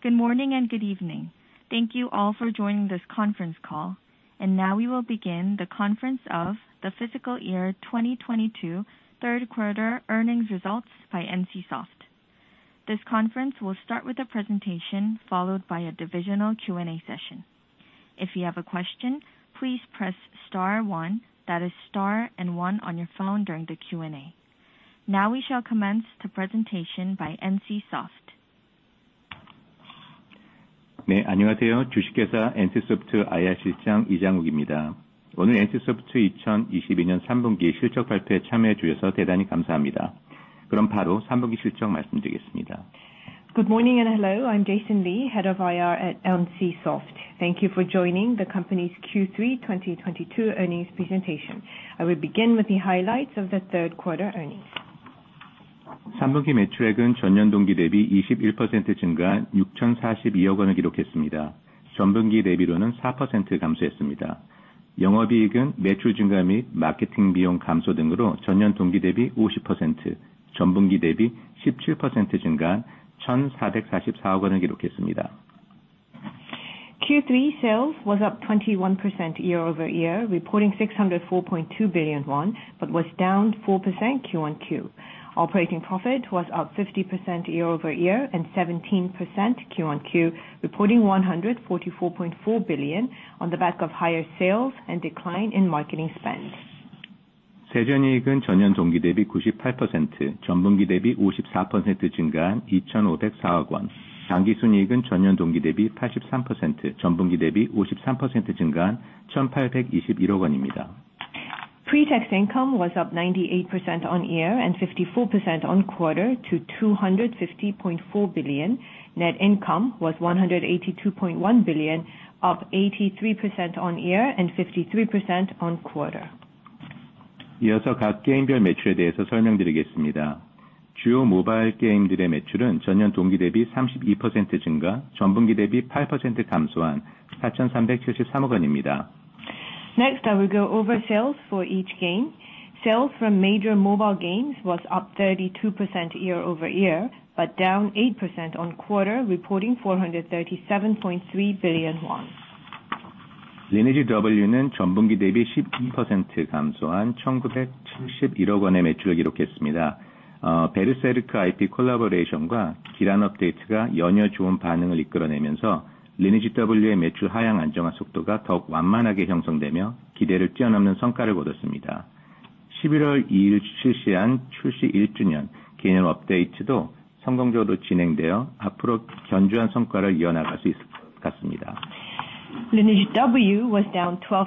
Good morning and good evening. Thank you all for joining this conference call. Now we will begin the conference on the fiscal year 2022 third quarter earnings results by NCSOFT. This conference will start with a presentation, followed by a divisional Q&A session. If you have a question, please press star one, that is star and one on your phone during the Q&A. Now we shall commence the presentation by NCSOFT. Good morning and hello, I'm Jason Lee, Head of IR at NCSOFT. Thank you for joining the company's Q3 2022 earnings presentation. I will begin with the highlights of the third quarter earnings. Q3 sales was up 21% year-over-year, reporting 604.2 billion won, but was down 4% QoQ. Operating profit was up 50% year-over-year and 17% QoQ, reporting KRW 144.4 billion on the back of higher sales and decline in marketing spend. Pre-tax income was up 98% year-over-year and 54% quarter-over-quarter to 250.4 billion. Net income was 182.1 billion, up 83% year-over-year and 53% quarter-over-quarter Next, I will go over sales for each game. Sales from major Mobile Games was up 32% year-over-year, but down 8% on quarter, reporting 437.3 billion won. Lineage W was down 12%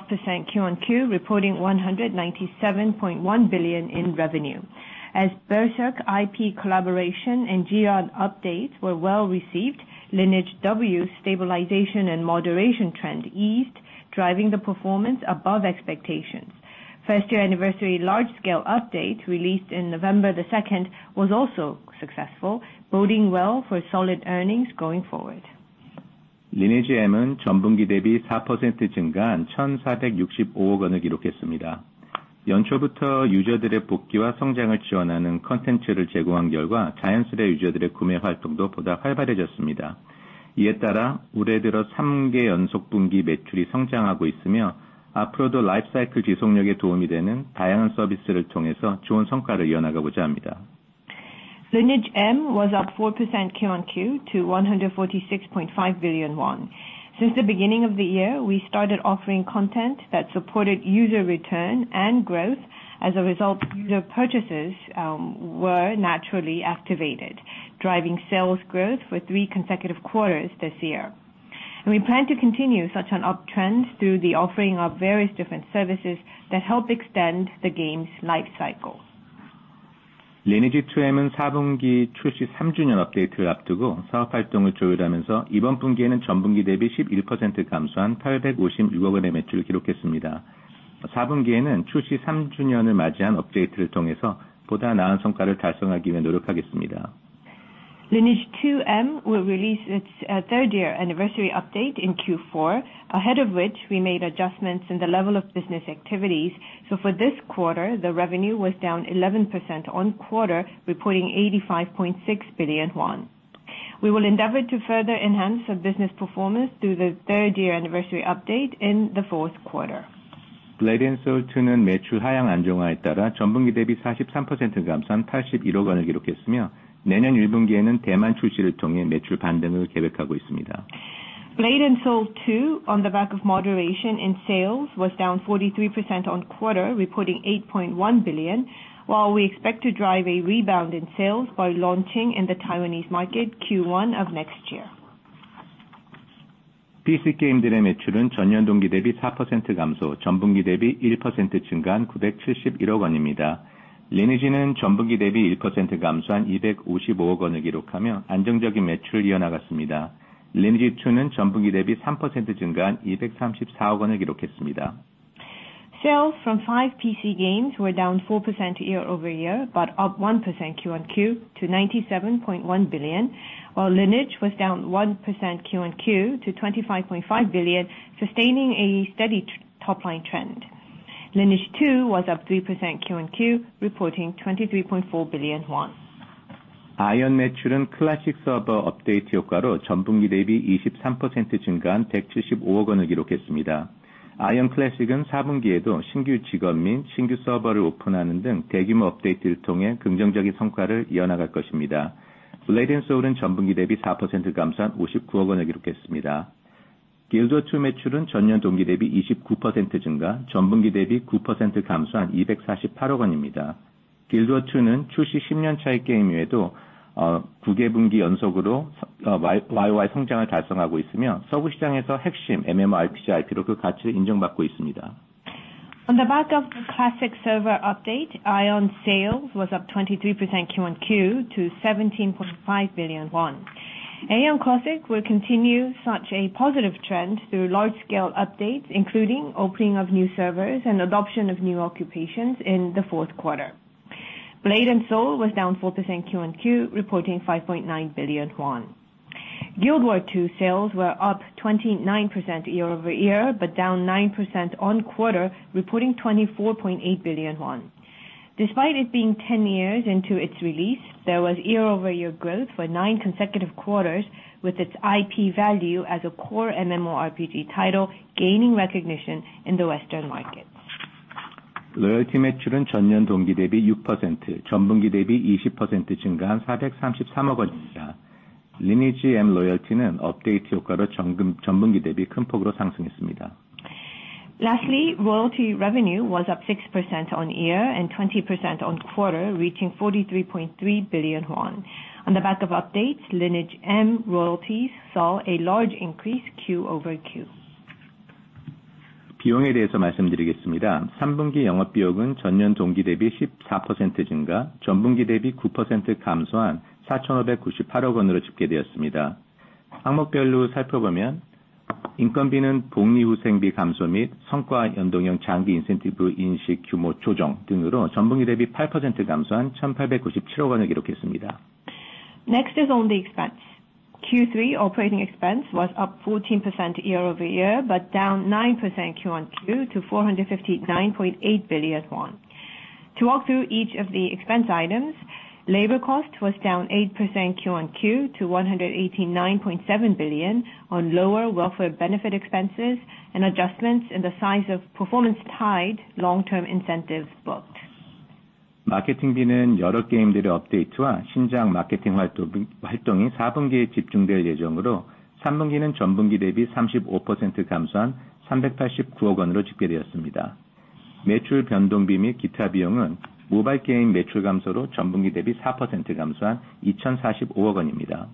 QoQ, reporting 197.1 billion in revenue. As Berserk IP collaboration and Giran updates were well-received, Lineage W's stabilization and moderation trend eased, driving the performance above expectations. First-year anniversary large-scale update, released in November 2nd, was also successful, boding well for solid earnings going forward. Lineage M was up 4% QoQ to KRW 146.5 billion. Since the beginning of the year, we started offering content that supported user return and growth. As a result, user purchases were naturally activated, driving sales growth for three consecutive quarters this year. We plan to continue such an uptrend through the offering of various different services that help extend the game's life cycle. Lineage2M will release its third year anniversary update in Q4, ahead of which we made adjustments in the level of business activities. For this quarter, the revenue was down 11% quarter-over-quarter, reporting 85.6 billion won. We will endeavor to further enhance the business performance through the third year anniversary update in the fourth quarter. Blade & Soul 2, on the back of moderation in sales, was down 43% quarter-over-quarter, reporting 8.1 billion, while we expect to drive a rebound in sales by launching in the Taiwanese market Q1 of next year. Sales from five PC games were down 4% year-over-year, but up 1% QoQ to 97.1 billion, while Lineage was down 1% QoQ to 25.5 billion, sustaining a steady top line trend. Lineage 2 was up 3% QoQ, reporting KRW 23.4 billion. Aion 매출은 클래식 서버 업데이트 효과로 전분기 대비 23% 증가한 175억 원을 기록했습니다. Aion Classic은 4분기에도 신규 직업 및 신규 서버를 오픈하는 등 대규모 업데이트를 통해 긍정적인 성과를 이어나갈 것입니다. Blade & Soul은 전분기 대비 4% 감소한 59억 원을 기록했습니다. Guild Wars 2 매출은 전년 동기 대비 29% 증가, 전분기 대비 9% 감소한 248억 원입니다. Guild Wars 2는 출시 10년 차의 게임에도 9개 분기 연속으로 YoY 성장을 달성하고 있으며 서버 시장에서 핵심 MMORPG IP로 그 가치를 인정받고 있습니다. On the back of the classic server update, Aion sales was up 23% QoQ to 17.5 billion won. Aion Classic will continue such a positive trend through large scale updates, including opening of new servers and adoption of new occupations in the fourth quarter. Blade & Soul was down 4% QoQ, reporting 5.9 billion won. Guild Wars 2 sales were up 29% year-over-year, but down 9% QoQ, reporting 24.8 billion won. Despite it being 10 years into its release, there was year-over-year growth for nine consecutive quarters with its IP value as a core MMORPG title gaining recognition in the Western market. Royalty 매출은 전년 동기 대비 6%, 전분기 대비 20% 증가한 433억 원입니다. Lineage M royalty는 업데이트 효과로 전분기 대비 큰 폭으로 상승했습니다. Lastly, royalty revenue was up 6% year-over-year and 20% quarter-over-quarter, reaching 43.3 billion won. On the back of updates, Lineage M royalties saw a large increase quarter-over-quarter. 비용에 대해서 말씀드리겠습니다. 3분기 영업비용은 전년 동기 대비 14% 증가, 전분기 대비 9% 감소한 4,598억 원으로 집계되었습니다. 항목별로 살펴보면, 인건비는 복리후생비 감소 및 성과 연동형 장기 인센티브 인식 규모 조정 등으로 전분기 대비 8% 감소한 1,897억 원을 기록했습니다. Next is on the expense. Q3 operating expense was up 14% year-over-year, but down 9% QoQ to 459.8 billion won. To walk through each of the expense items, labor cost was down 8% QoQ to 189.7 billion on lower welfare benefit expenses and adjustments in the size of performance-tied long-term incentive booked. 마케팅비는 여러 게임들의 업데이트와 신작 마케팅 활동이 4분기에 집중될 예정으로, 3분기는 전분기 대비 35% 감소한 389억 원으로 집계되었습니다. 매출 변동비 및 기타 비용은 모바일 게임 매출 감소로 전분기 대비 4% 감소한 2,045억 원입니다.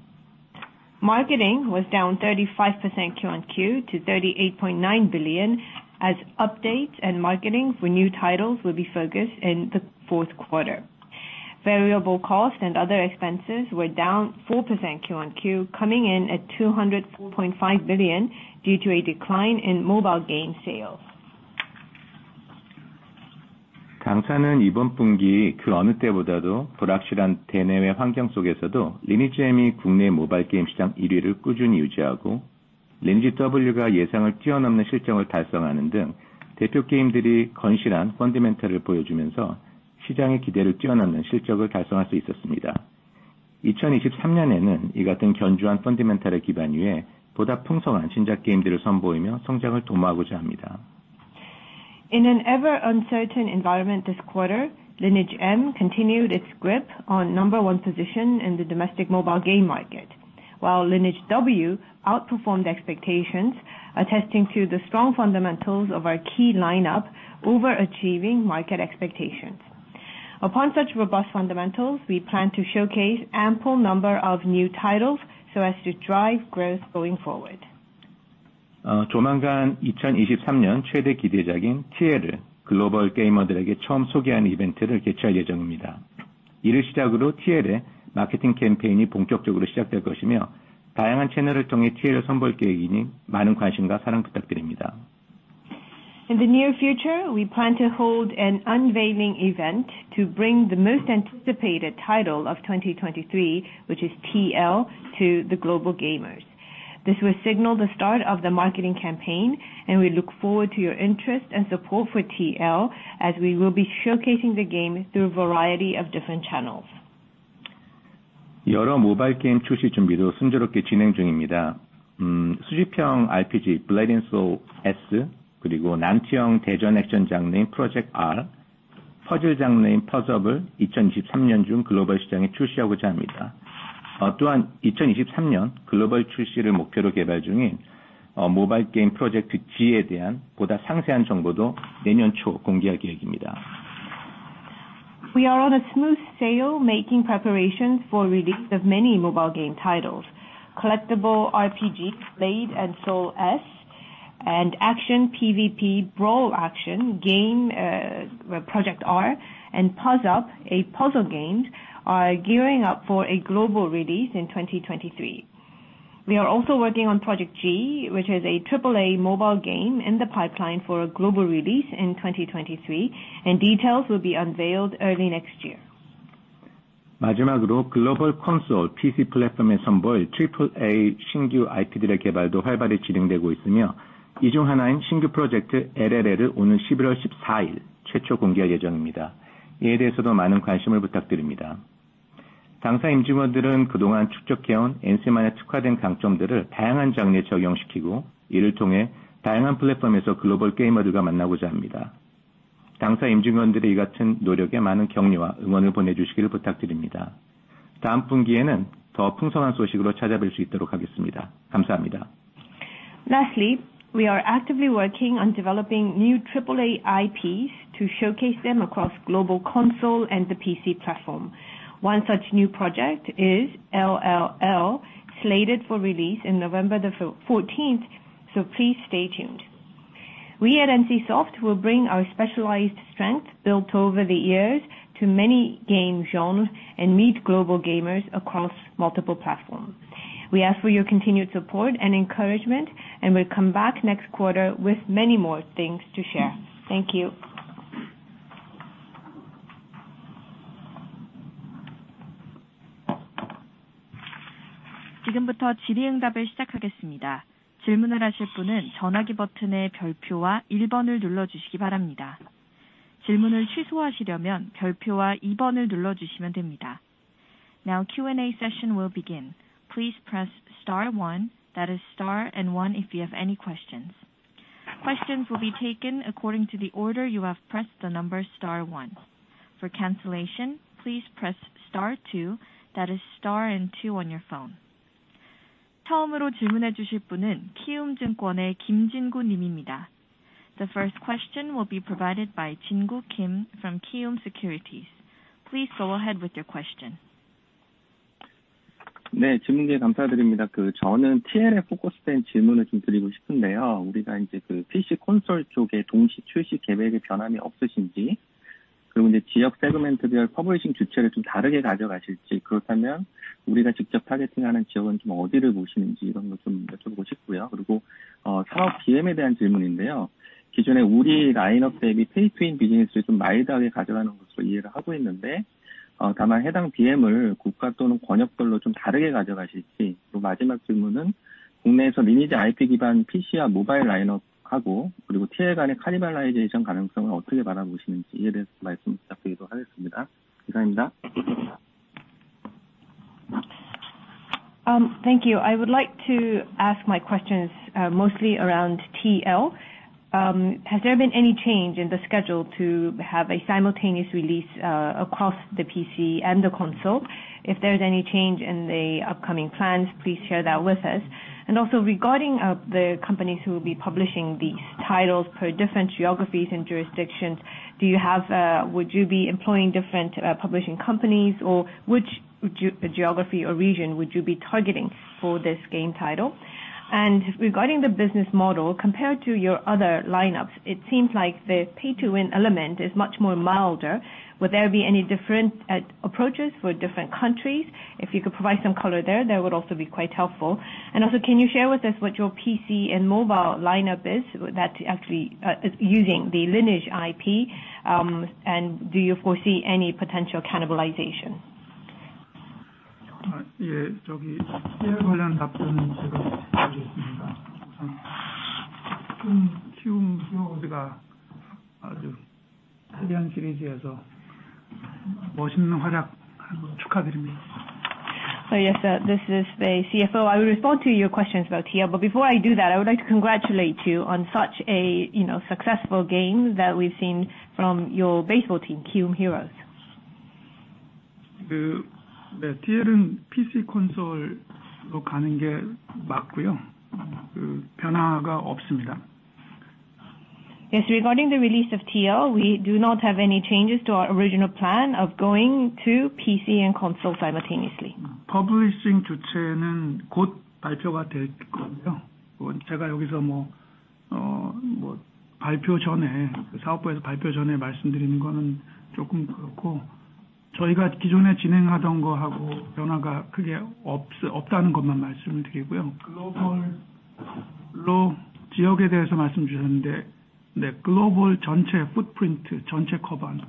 Marketing was down 35% QoQ to 38.9 billion as updates and marketing for new titles will be focused in the fourth quarter. Variable cost and other expenses were down 4% QoQ, coming in at 204.5 billion due to a decline in mobile game sales. 당사는 이번 분기 그 어느 때보다도 불확실한 대내외 환경 속에서도 Lineage M이 국내 모바일 게임 시장 일위를 꾸준히 유지하고, Lineage W가 예상을 뛰어넘는 실적을 달성하는 등 대표 게임들이 건실한 펀더멘털을 보여주면서 시장의 기대를 뛰어넘는 실적을 달성할 수 있었습니다. 2023년에는 이 같은 견조한 펀더멘털을 기반 위에 보다 풍성한 신작 게임들을 선보이며 성장을 도모하고자 합니다. In an ever uncertain environment this quarter, Lineage M continued its grip on number one position in the domestic mobile game market, while Lineage W outperformed expectations, attesting to the strong fundamentals of our key lineup overachieving market expectations. Upon such robust fundamentals, we plan to showcase ample number of new titles so as to drive growth going forward. 조만간 2023년 최대 기대작인 TL을 글로벌 게이머들에게 처음 소개하는 이벤트를 개최할 예정입니다. 이를 시작으로 TL의 마케팅 캠페인이 본격적으로 시작될 것이며, 다양한 채널을 통해 TL을 선보일 계획이니 많은 관심과 사랑 부탁드립니다. In the near future, we plan to hold an unveiling event to bring the most anticipated title of 2023, which is TL, to the global gamers. This will signal the start of the marketing campaign, and we look forward to your interest and support for TL as we will be showcasing the game through a variety of different channels. 여러 모바일 게임 출시 준비도 순조롭게 진행 중입니다. 수집형 RPG Blade & Soul S, 그리고 난투형 대전 액션 장르인 Project R, 퍼즐 장르인 PUZZUP을 2023년 중 글로벌 시장에 출시하고자 합니다. 또한 2023년 글로벌 출시를 목표로 개발 중인 모바일 게임 Project G에 대한 보다 상세한 정보도 내년 초 공개할 계획입니다. We are on a smooth sail making preparations for release of many mobile game titles. Collectible RPG Blade & Soul S and action PVP Brawl action game, Project R and PUZZUP, a puzzle game, are gearing up for a global release in 2023. We are also working on Project G, which is a triple A mobile game in the pipeline for a global release in 2023, and details will be unveiled early next year. 마지막으로 글로벌 콘솔 PC 플랫폼에 선보일 트리플 A 신규 IP들의 개발도 활발히 진행되고 있으며, 이중 하나인 신규 Project LLL을 오는 11월 14일 최초 공개할 예정입니다. 이에 대해서도 많은 관심을 부탁드립니다. 당사 임직원들은 그동안 축적해온 NC만의 특화된 강점들을 다양한 장르에 적용시키고, 이를 통해 다양한 플랫폼에서 글로벌 게이머들과 만나고자 합니다. 당사 임직원들의 이 같은 노력에 많은 격려와 응원을 보내주시기를 부탁드립니다. 다음 분기에는 더 풍성한 소식으로 찾아뵐 수 있도록 하겠습니다. 감사합니다. Lastly, we are actively working on developing new triple-A IPs to showcase them across global console and the PC platform. One such new project is Project LLL, slated for release in November 14th, so please stay tuned. We at NCSOFT will bring our specialized strengths built over the years to many game genres and meet global gamers across multiple platforms. We ask for your continued support and encouragement, and we'll come back next quarter with many more things to share. Thank you. 지금부터 질의응답을 시작하겠습니다. 질문을 하실 분은 전화기 버튼의 별표와 1번을 눌러주시기 바랍니다. 질문을 취소하시려면 별표와 2번을 눌러주시면 됩니다. Now Q&A session will begin. Please press star one. That is star and one if you have any questions. Questions will be taken according to the order you have pressed the number star one. For cancellation, please press star two, that is star and two on your phone. 처음으로 질문해 주실 분은 키움증권의 김진구 님입니다. The first question will be provided by Jingu Kim from Kiwoom Securities. Please go ahead with your question. 네, 질문 기회 감사드립니다. 저는 TL에 포커스된 질문을 좀 드리고 싶은데요. 우리가 이제 PC 콘솔 쪽에 동시 출시 계획에 변함이 없으신지, 그리고 이제 지역 세그먼트별 퍼블리싱 주체를 좀 다르게 가져가실지, 그렇다면 우리가 직접 타겟팅하는 지역은 좀 어디를 보시는지 이런 걸좀 여쭤보고 싶고요. 그리고 사업 BM에 대한 질문인데요. 기존에 우리 라인업 대비 페이 투윈 비즈니스를 좀 마일드하게 가져가는 것으로 이해를 하고 있는데, 다만 해당 BM을 국가 또는 권역별로 좀 다르게 가져가실지, 그리고 마지막 질문은 국내에서 리니지 IP 기반 PC와 모바일 라인업하고, 그리고 TL 간의 cannibalization 가능성을 어떻게 바라보시는지 이에 대해서 말씀 부탁드리도록 하겠습니다. 감사합니다. Thank you. I would like to ask my questions, mostly around TL. Has there been any change in the schedule to have a simultaneous release across the PC and the console? If there's any change in the upcoming plans, please share that with us. Also regarding the companies who will be publishing the titles per different geographies and jurisdictions, do you have, would you be employing different publishing companies? Or which geography or region would you be targeting for this game title? Regarding the business model, compared to your other lineups, it seems like the pay-to-win element is much more milder. Would there be any different approaches for different countries? If you could provide some color there, that would also be quite helpful. Also, can you share with us what your PC and mobile lineup is that actually using the Lineage IP, and do you foresee any potential cannibalization? TL 관련 답변 제가 하겠습니다. 키움 히어로즈가 최대한 시리즈에서 멋있는 활약 축하드립니다. Yes, this is the CFO. I will respond to your questions about here. Before I do that, I would like to congratulate you on such a, you know, successful game that we've seen from your baseball team, Kiwoom Heroes. TL은 PC 콘솔로 가는 게 맞고요. 그 변화가 없습니다. Yes. Regarding the release of TL, we do not have any changes to our original plan of going to PC and console simultaneously. 퍼블리싱 주체는 곧 발표가 될 거고요. 저희가 기존에 진행하던 거하고 변화가 크게 없다는 것만 말씀을 드리고요. 글로벌 지역에 대해서 말씀 주셨는데, 네, 글로벌 전체 footprint 전체 커버하는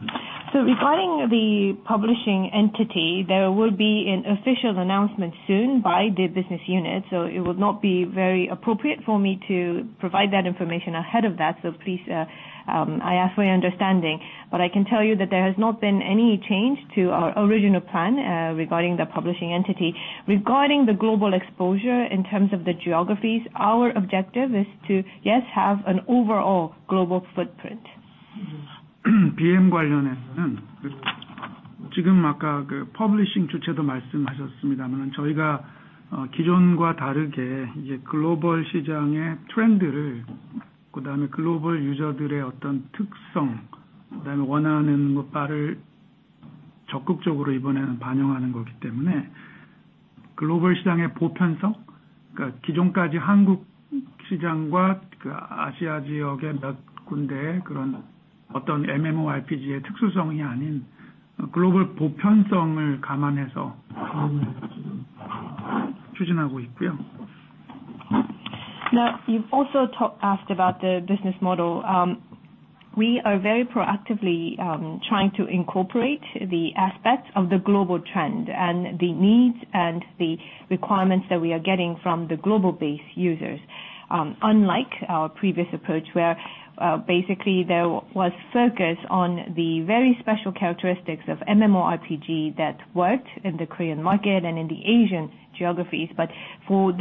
전략입니다. Regarding the publishing entity, there will be an official announcement soon by the business unit, so it would not be very appropriate for me to provide that information ahead of that. Please, I ask for your understanding, but I can tell you that there has not been any change to our original plan, regarding the publishing entity. Regarding the global exposure in terms of the geographies, our objective is to, yes, have an overall global footprint. BM 관련해서는 지금 아까 그 퍼블리싱 주체도 말씀하셨습니다만, 저희가 기존과 다르게 이제 글로벌 시장의 트렌드를, 그다음에 글로벌 유저들의 어떤 특성, 그다음에 원하는 바를 적극적으로 이번에는 반영하는 거기 때문에 글로벌 시장의 보편성, 그러니까 기존까지 한국 시장과 그 아시아 지역의 몇 군데의 그런 어떤 MMORPG의 특수성이 아닌 글로벌 보편성을 감안해서 Now, you've also asked about the business model. We are very proactively trying to incorporate the aspects of the global trend and the needs and the requirements that we are getting from the global base users. Unlike our previous approach where basically there was focus on the very special characteristics of MMORPG that worked in the Korean market and in the Asian geographies. For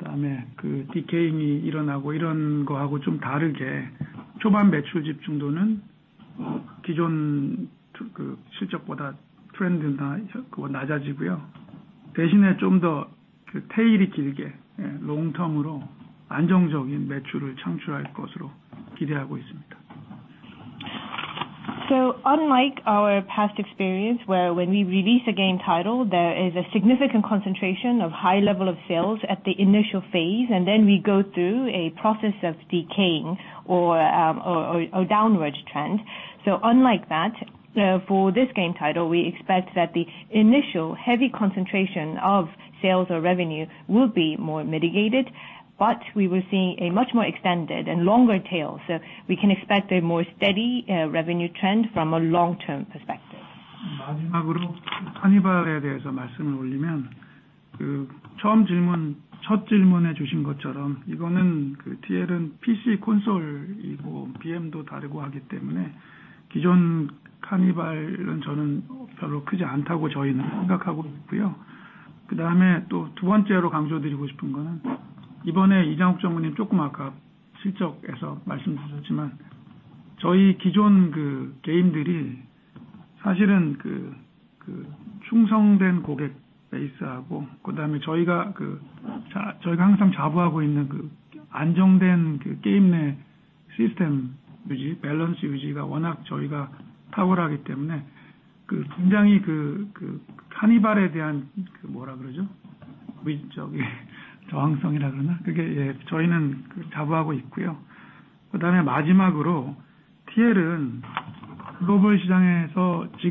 this game title, we are much more focused on the global universality which we wish to incorporate in our business model. Unlike our past experience where when we release a game title, there is a significant concentration of high level of sales at the initial phase, and then we go through a process of decaying or a downwards trend. Unlike that, for this game title, we expect that the initial heavy concentration of sales or revenue will be more mitigated, but we will see a much more extended and longer tail, so we can expect a more steady revenue trend from a long-term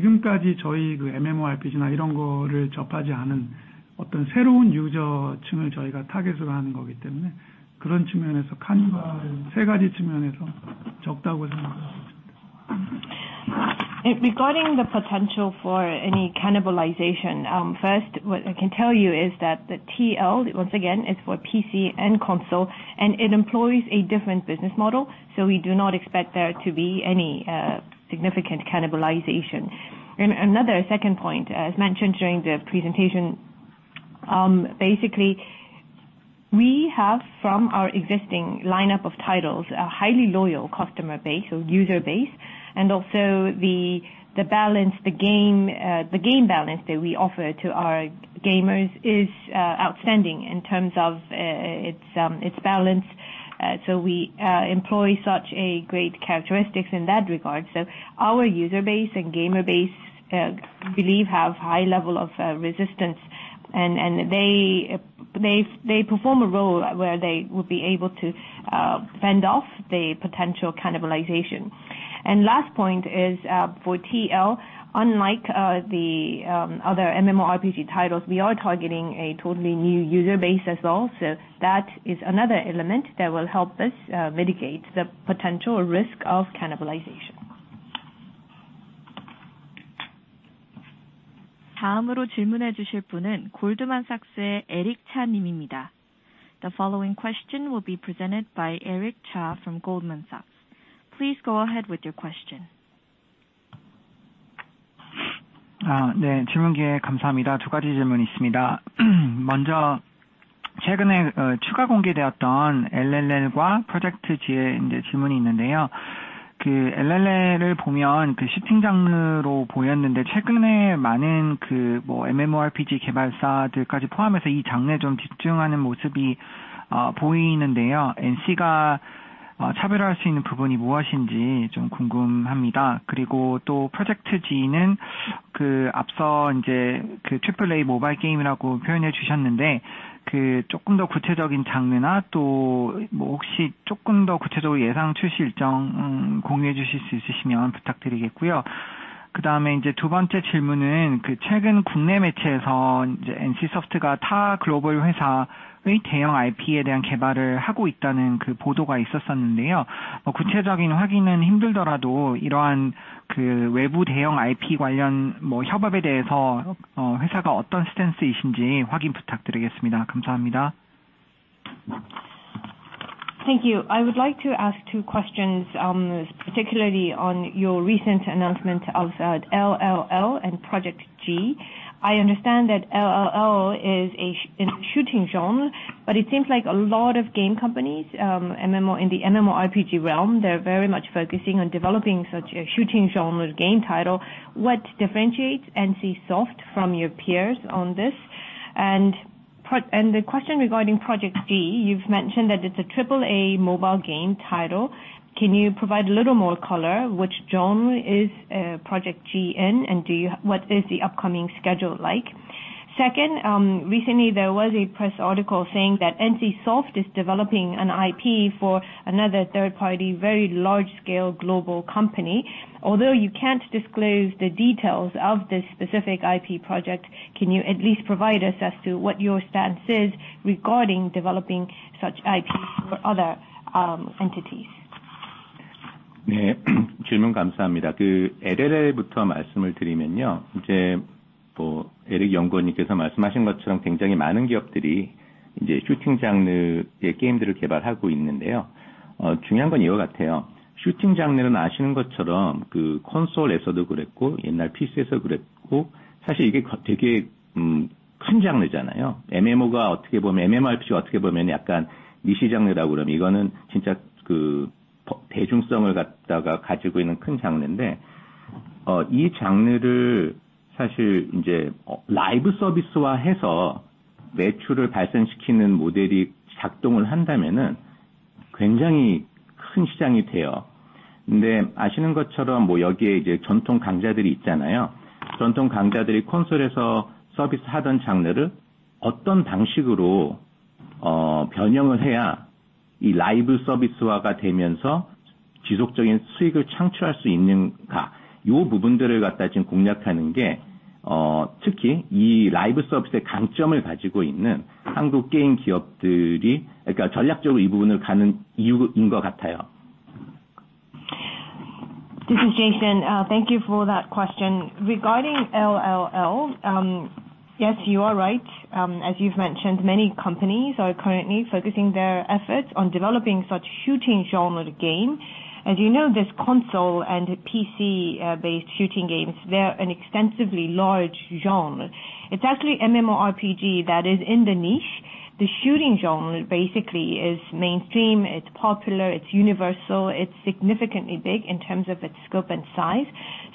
perspective. Regarding the potential for any cannibalization, first, what I can tell you is that the TL, once again, is for PC and console, and it employs a different business model, so we do not expect there to be any significant cannibalization. Another second point, as mentioned during the presentation, basically we have from our existing lineup of titles a highly loyal customer base or user base. Also the game balance that we offer to our gamers is outstanding in terms of its balance. We employ such a great characteristic in that regard. Our user base and gamer base have high level of resistance and they perform a role where they will be able to fend off the potential cannibalization. Last point is for TL, unlike the other MMORPG titles, we are targeting a totally new user base as well. That is another element that will help us mitigate the potential risk of cannibalization. The following question will be presented by Eric Cha from Goldman Sachs. Please go ahead with your question. Uh, then. Thank you. I would like to ask two questions, particularly on your recent announcement of Project LLL and Project G. I understand that Project LLL is a shooting genre, but it seems like a lot of game companies, MMO, in the MMORPG realm, they're very much focusing on developing such a shooting genre game title. What differentiates NCSOFT from your peers on this? The question regarding Project G, you've mentioned that it's a triple-A mobile game title. Can you provide a little more color which genre is Project G in? And what is the upcoming schedule like? Second, recently there was a press article saying that NCSOFT is developing an IP for another third party, very large scale global company. Although you can't disclose the details of this specific IP project, can you at least provide us as to what your stance is regarding developing such IPs for other entities? Thank you for the question. This is Jason. Thank you for that question. Regarding LLL, yes, you are right. As you've mentioned, many companies are currently focusing their efforts on developing such shooting genre game. As you know, this console and PC based shooting games, they're an extensively large genre. It's actually MMORPG that is in the niche. The shooting genre basically is mainstream, it's popular, it's universal, it's significantly big in terms of its scope and size.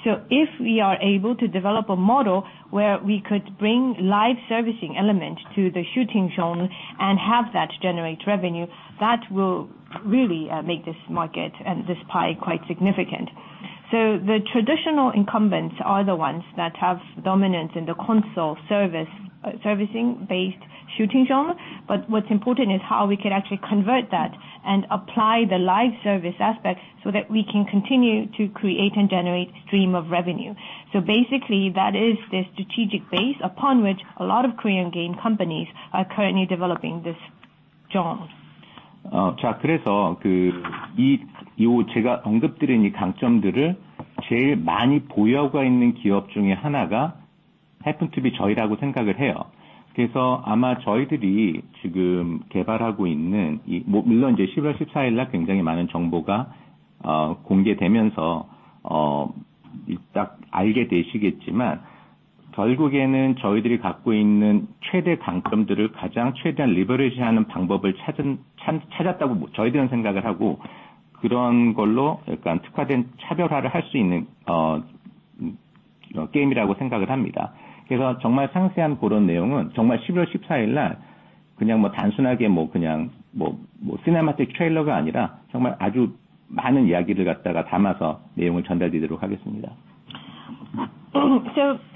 If we are able to develop a model where we could bring live servicing element to the shooting genre and have that generate revenue, that will really make this market and this pie quite significant. The traditional incumbents are the ones that have dominance in the console service, servicing based shooting genre. What's important is how we can actually convert that and apply the live service aspect so that we can continue to create and generate stream of revenue. Basically that is the strategic base upon which a lot of Korean game companies are currently developing this genre.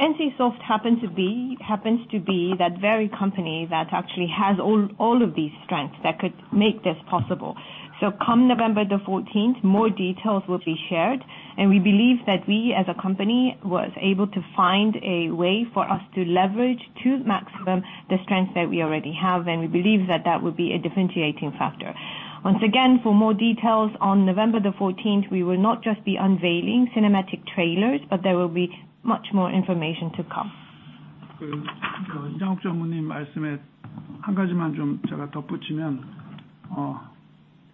NCSOFT happens to be that very company that actually has all of these strengths that could make this possible. Come November the fourteenth, more details will be shared, and we believe that we as a company was able to find a way for us to leverage to maximum the strength that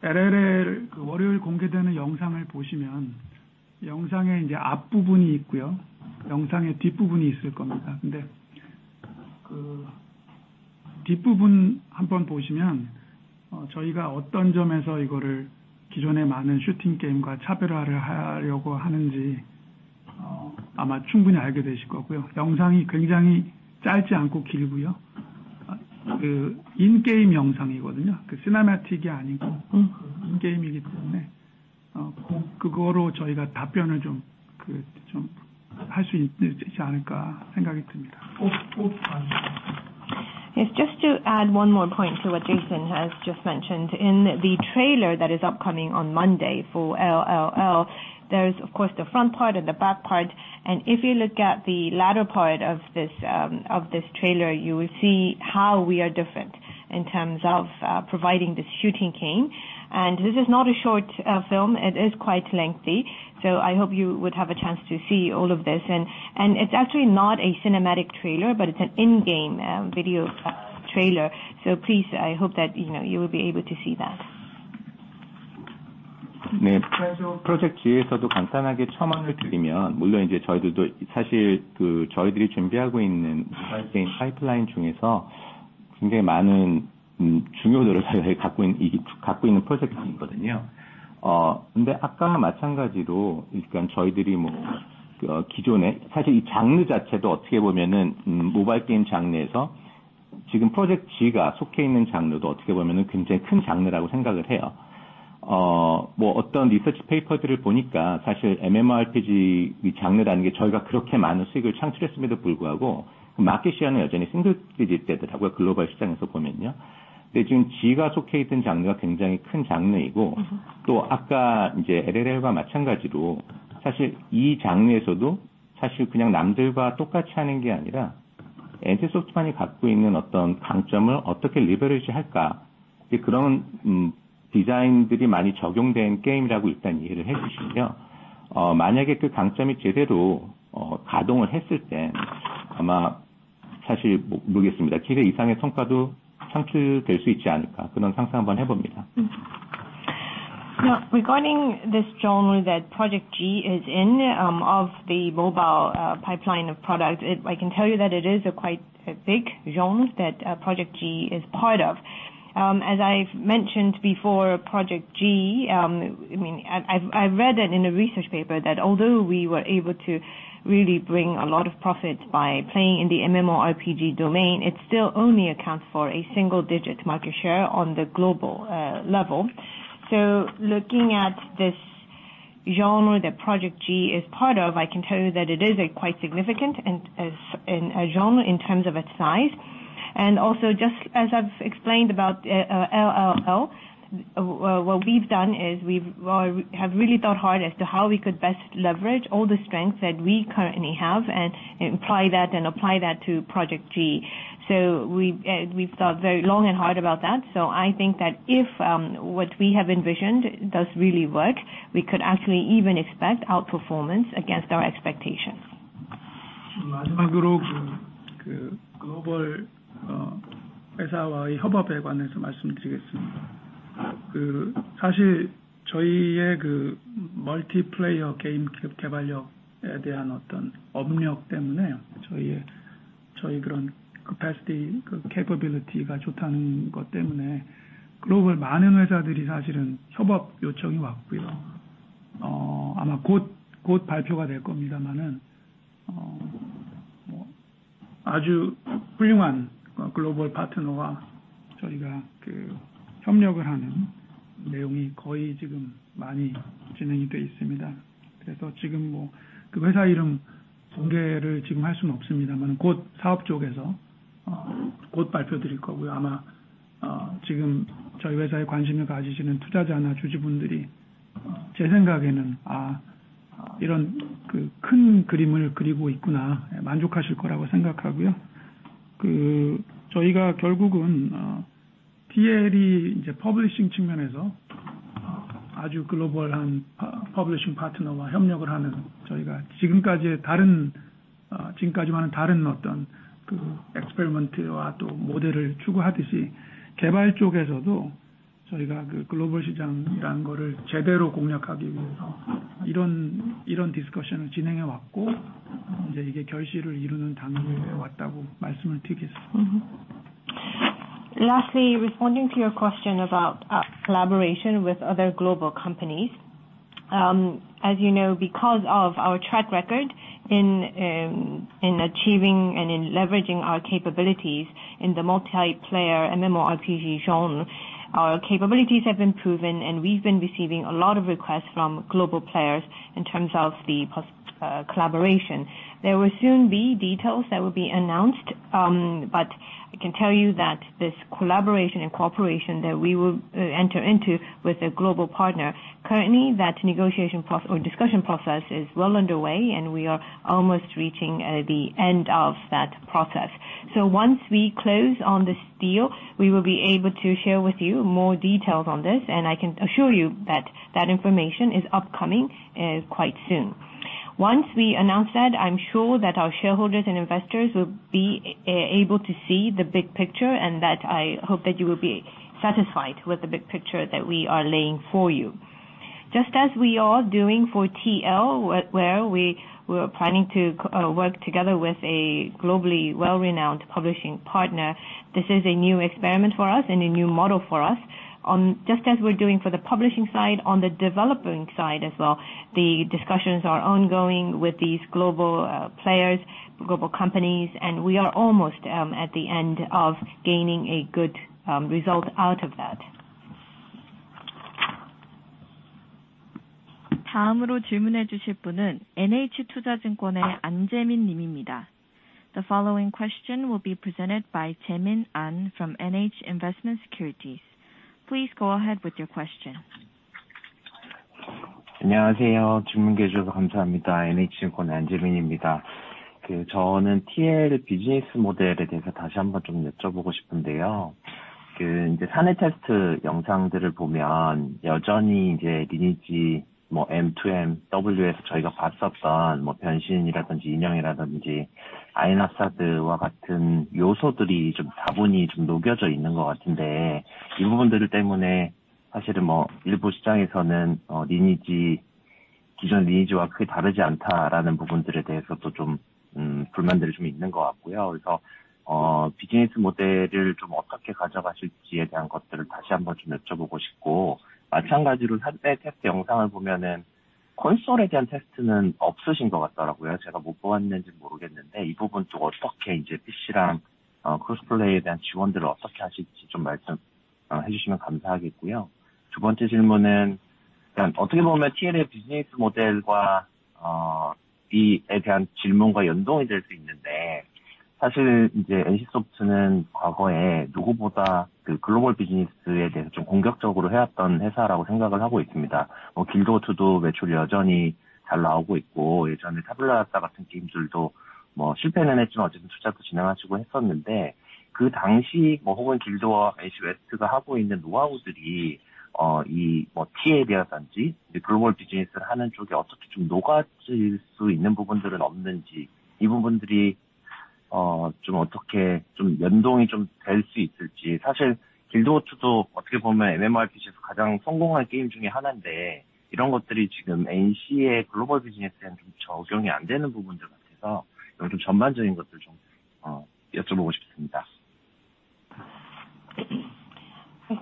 we already have, and we believe that that will be a differentiating factor. Once again, for more details on November 14th, we will not just be unveiling cinematic trailers, but there will be much more information to come. Yes, just to add one more point to what Jason has just mentioned. In the trailer that is upcoming on Monday for LLL, there's of course the front part and the back part, and if you look at the latter part of this trailer, you will see how we are different in terms of providing this shooting game. This is not a short film, it is quite lengthy, so I hope you would have a chance to see all of this. It's actually not a cinematic trailer, but it's an in-game video trailer. Please, I hope that you know, you will be able to see that. Now regarding this genre that Project G is in, of the mobile pipeline of product, I can tell you that it is a quite big genre that Project G is part of. As I've mentioned before, Project G, I mean, I've read that in a research paper that although we were able to really bring a lot of profit by playing in the MMORPG domain, it still only accounts for a single-digit market share on the global level. Looking at this genre that Project G is part of, I can tell you that it is a quite significant and a genre in terms of its size. Just as I've explained about Project LLL, what we've done is we have really thought hard as to how we could best leverage all the strengths that we currently have and imply that, and apply that to Project G. We've thought very long and hard about that. I think that if what we have envisioned does really work, we could actually even expect outperformance against our expectations. Lastly, responding to your question about collaboration with other global companies, as you know, because of our track record in achieving and in leveraging our capabilities in the multiplayer MMORPG genre, our capabilities have been proven, and we've been receiving a lot of requests from global players in terms of collaboration. There will soon be details that will be announced, but I can tell you that this collaboration and cooperation that we will enter into with a global partner, currently that discussion process is well underway, and we are almost reaching the end of that process. Once we close on this deal, we will be able to share with you more details on this, and I can assure you that that information is upcoming quite soon. Once we announce that, I'm sure that our shareholders and investors will be able to see the big picture, and that I hope that you will be satisfied with the big picture that we are laying for you. Just as we are doing for TL, where we were planning to work together with a globally well-renowned publishing partner, this is a new experiment for us and a new model for us. Just as we're doing for the publishing side, on the developing side as well, the discussions are ongoing with these global players, global companies, and we are almost at the end of gaining a good result out of that. The following question will be presented by Jaemin Ahn from NH Investment & Securities. Please go ahead with your question. 기존 리니지와 크게 다르지 않다라는 부분들에 대해서도 불만들이 좀 있는 것 같고요. 그래서 비즈니스 모델을 좀 어떻게 가져가실지에 대한 것들을 다시 한번 좀 여쭤보고 싶고, 마찬가지로 한때 테스트 영상을 보면은 콘솔에 대한 테스트는 없으신 것 같더라고요. 제가 못 보았는지 모르겠는데 이 부분 좀 어떻게 이제 PC랑 크로스 플레이에 대한 지원들을 어떻게 하실지 좀 말씀해 주시면 감사하겠고요. 두 번째 질문은 어떻게 보면 TL의 비즈니스 모델과 이에 대한 질문과 연동이 될수 있는데, 사실 이제 NCSOFT는 과거에 누구보다 그 글로벌 비즈니스에 대해서 좀 공격적으로 해왔던 회사라고 생각을 하고 있습니다. Guild Wars 2도 매출이 여전히 잘 나오고 있고, 예전에 Tabula Rasa 같은 게임들도 뭐 실패는 했지만 어쨌든 투자도 진행하시고 했었는데, 그 당시 혹은 Guild Wars와 NC West가 하고 있는 노하우들이 TL에 대한 글로벌 비즈니스를 하는 쪽에 어떻게 좀 녹아질 수 있는 부분들은 없는지, 이 부분들이 어떻게 좀 연동이 될수 있을지. 사실 Guild Wars 2도 어떻게 보면 MMORPG에서 가장 성공한 게임 중에 하나인데, 이런 것들이 지금 NC의 글로벌 비즈니스에는 좀 적용이 안 되는 부분들 같아서 이것 좀 전반적인 것들 좀 여쭤보고 싶습니다.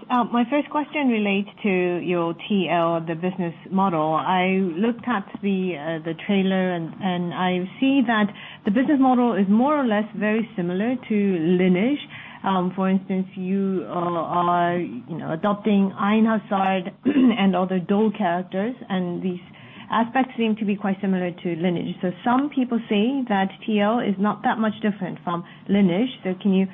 My first question relates to your TL, the business model. I looked at the trailer and I see that the business model is more or less very similar to Lineage. For instance, you are, you know, adopting Einhasad and other doll characters and these aspects seem to be quite similar to Lineage. So some people saying that TL is not that much different from Lineage. So can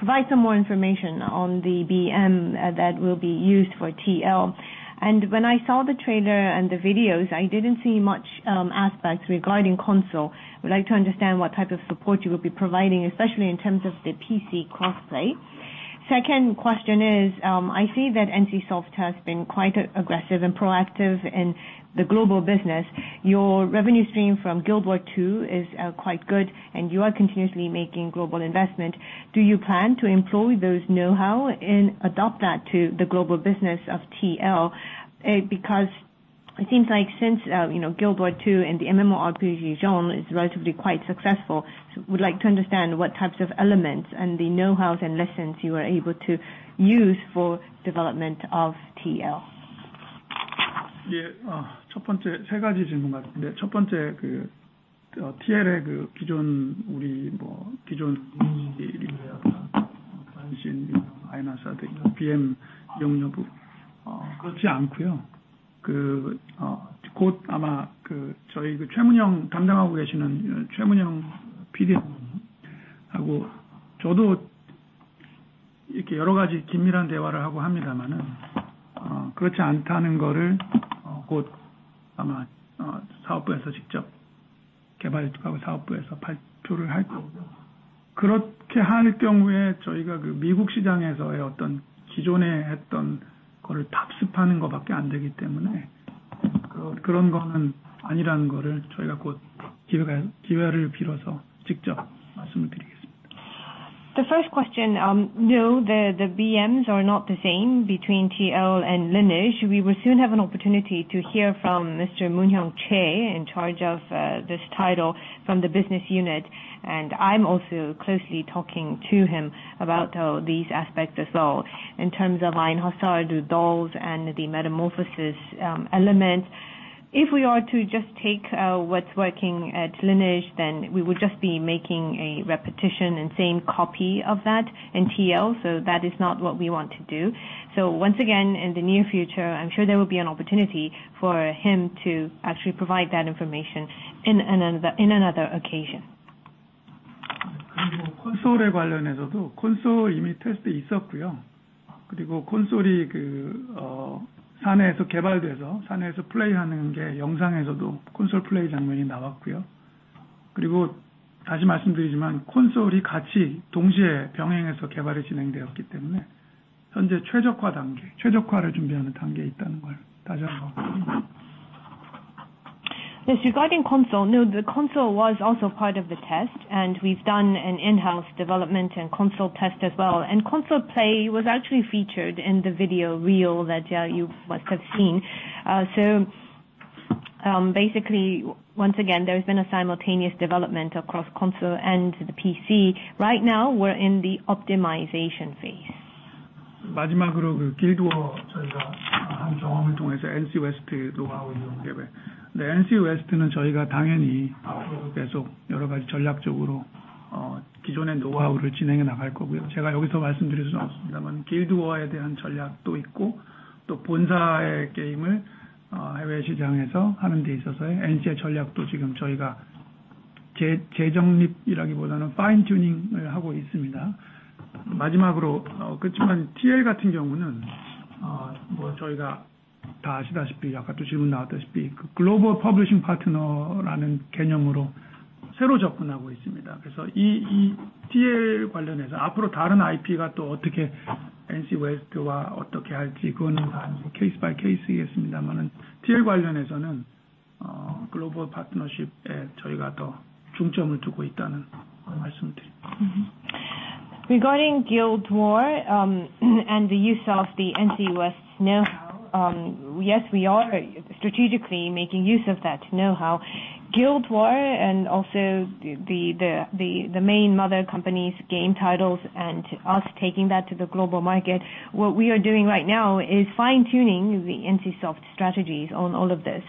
you provide some more information on the BM that we will be used for TL? And when I saw the trailer and the videos, I didn't see much aspects regarding console. I'd like to understand what type of support you will be providing, especially in terms of the PC cross-play. Second question is, I see that NCSOFT has been quite aggressive and proactive in the global business. Your revenue stream from Guild Wars 2 is quite good and you're continuously making global investment. Do you plan to employ those knowhow and adopt that to the global business of TL? Because I think like since you know, Guild Wars 2 and MMORPG operation is relatively quite successful, so would like to understand what types of elements and the knowhow and lessons you were able to use for development of TL. 세 가지 질문 같은데, 첫 번째, TL의 기존 리니지나 Lineage W나 원신이나 Aion Einhasad 이런 BM 이용 여부, 그렇지 않고요. 곧 아마 저희 최문영 담당하고 계시는 최문영 PD하고 저도 이렇게 여러 가지 긴밀한 대화를 하고 합니다마는, 그렇지 않다는 거를 곧 아마 사업부에서 직접 개발 쪽하고 사업부에서 발표를 할 거고, 그렇게 할 경우에 저희가 미국 시장에서의 기존에 했던 거를 답습하는 것밖에 안 되기 때문에, 그런 거는 아니라는 거를 저희가 곧 기회를 빌어서 직접 말씀을 드리겠습니다. The first question, the BMs are not the same between TL and Lineage. We will soon have an opportunity to hear from Mr. Moon-young Choi, in charge of this title from the business unit, and I'm also closely talking to him about these aspects as well. In terms of Einhasad, the dolls, and the metamorphosis element, if we are to just take what's working at Lineage, then we would just be making a repetition and same copy of that in TL. That is not what we want to do. Once again, in the near future, I'm sure there will be an opportunity for him to actually provide that information in another occasion. 그리고 콘솔에 관련해서도 콘솔 이미 테스트 있었고요. 그리고 콘솔이 사내에서 개발돼서 사내에서 플레이하는 게 영상에서도 콘솔 플레이 장면이 나왔고요. 그리고 다시 말씀드리지만 콘솔이 같이 동시에 병행해서 개발이 진행되었기 때문에 현재 최적화 단계, 최적화를 준비하는 단계에 있다는 걸 다시 한번 말씀드립니다. Yes. Regarding console, no, the console was also part of the test, and we've done an in-house development and console test as well, and console play was actually featured in the video reel that you must have seen. Basically, once again, there's been a simultaneous development across console and the PC. Right now, we're in the optimization phase. 마지막으로 길드워 저희가 한 경험을 통해서 NC West 노하우 이용 계획. NC West는 저희가 당연히 앞으로도 계속 여러 가지 전략적으로 기존의 노하우를 진행해 나갈 거고요. 제가 여기서 말씀드릴 수는 없습니다만, 길드워에 대한 전략도 있고, 또 본사의 게임을 해외 시장에서 하는 데 있어서의 NC의 전략도 지금 저희가 재정립이라기보다는 파인튜닝을 하고 있습니다. 마지막으로 TL 같은 경우는 저희가 다 아시다시피 아까도 질문 나왔다시피 글로벌 퍼블리싱 파트너라는 개념으로 새로 접근하고 있습니다. 이 TL 관련해서 앞으로 다른 IP가 또 어떻게 NC West와 어떻게 할지, 그건 이제 케이스 바이 케이스이겠습니다마는 TL 관련해서는 글로벌 파트너십에 저희가 더 중점을 두고 있다는 말씀드립니다. Regarding Guild Wars, and the use of the NC West know-how, yes, we are strategically making use of that know-how. Guild Wars and also the main mother company's game titles and us taking that to the global market. What we are doing right now is fine-tuning the NCSOFT strategies on all of this.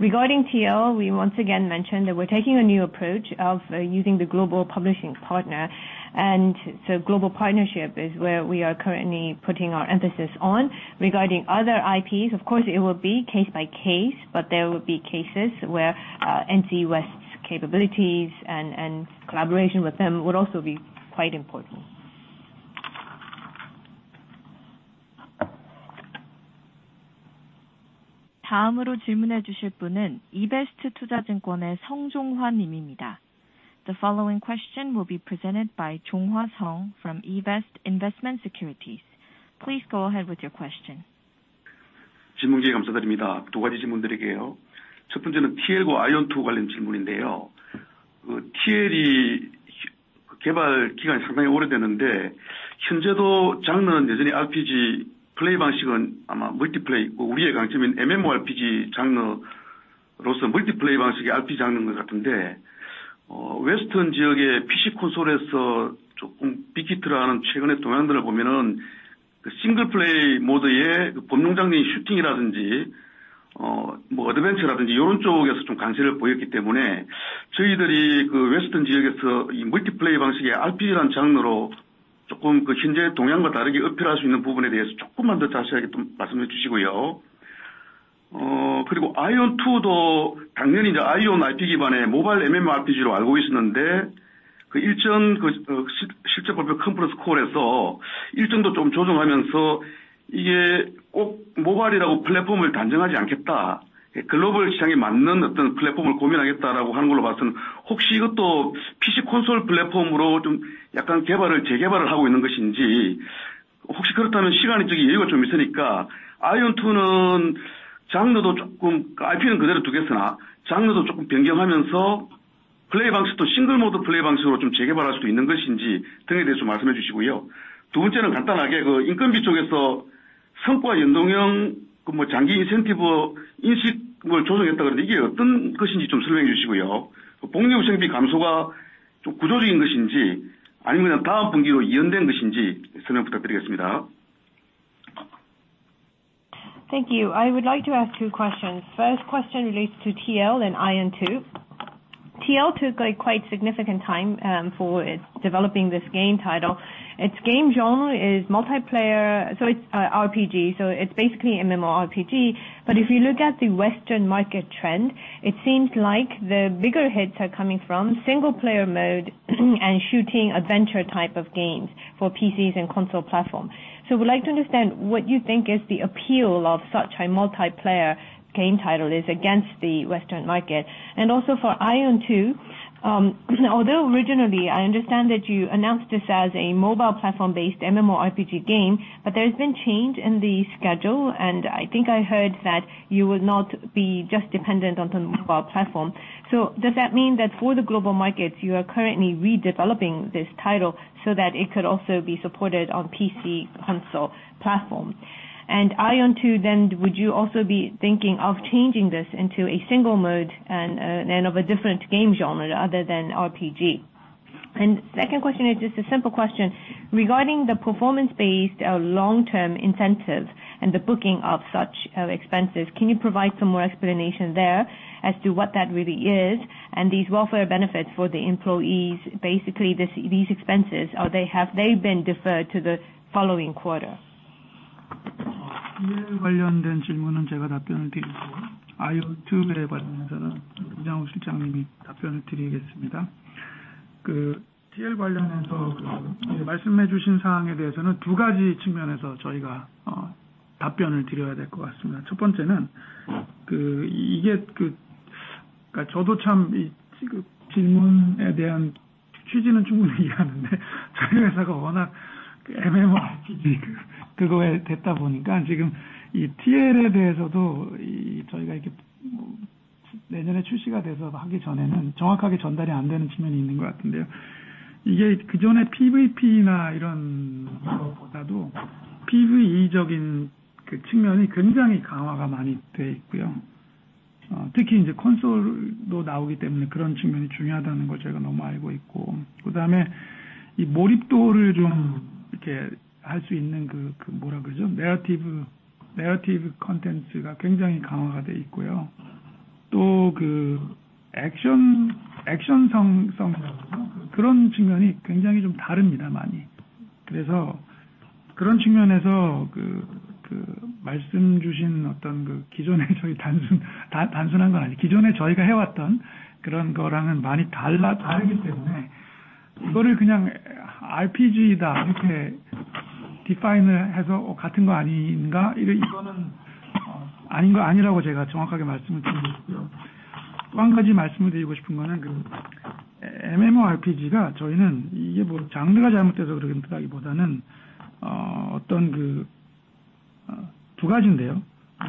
Regarding TL, we once again mentioned that we're taking a new approach of using the global publishing partner, and so global partnership is where we are currently putting our emphasis on. Regarding other IPs, of course, it will be case by case, but there will be cases where NC West's capabilities and collaboration with them would also be quite important. The following question will be presented by Jong-hwa Seong from eBEST Investment & Securities. Please go ahead with your question. Thank you. I would like to ask two questions. First question relates to TL and Aion 2. TL took a quite significant time for its developing this game title. Its game genre is multiplayer, so it's RPG, so it's basically MMORPG. If you look at the Western market trend, it seems like the bigger hits are coming from single player mode and shooting adventure type of games for PCs and console platform. Would like to understand what you think is the appeal of such a multiplayer game title is against the Western market. For Aion 2, although originally I understand that you announced this as a mobile platform-based MMORPG game, but there's been change in the schedule, and I think I heard that you will not be just dependent on the mobile platform. Does that mean that for the global markets, you are currently redeveloping this title so that it could also be supported on PC and console platform? Aion 2 then would you also be thinking of changing this into a single mode and of a different game genre other than RPG? Second question is just a simple question regarding the performance-based long-term incentive and the booking of such expenses. Can you provide some more explanation there as to what that really is? These welfare benefits for the employees, basically these expenses, have they been deferred to the following quarter? Two guys인데요.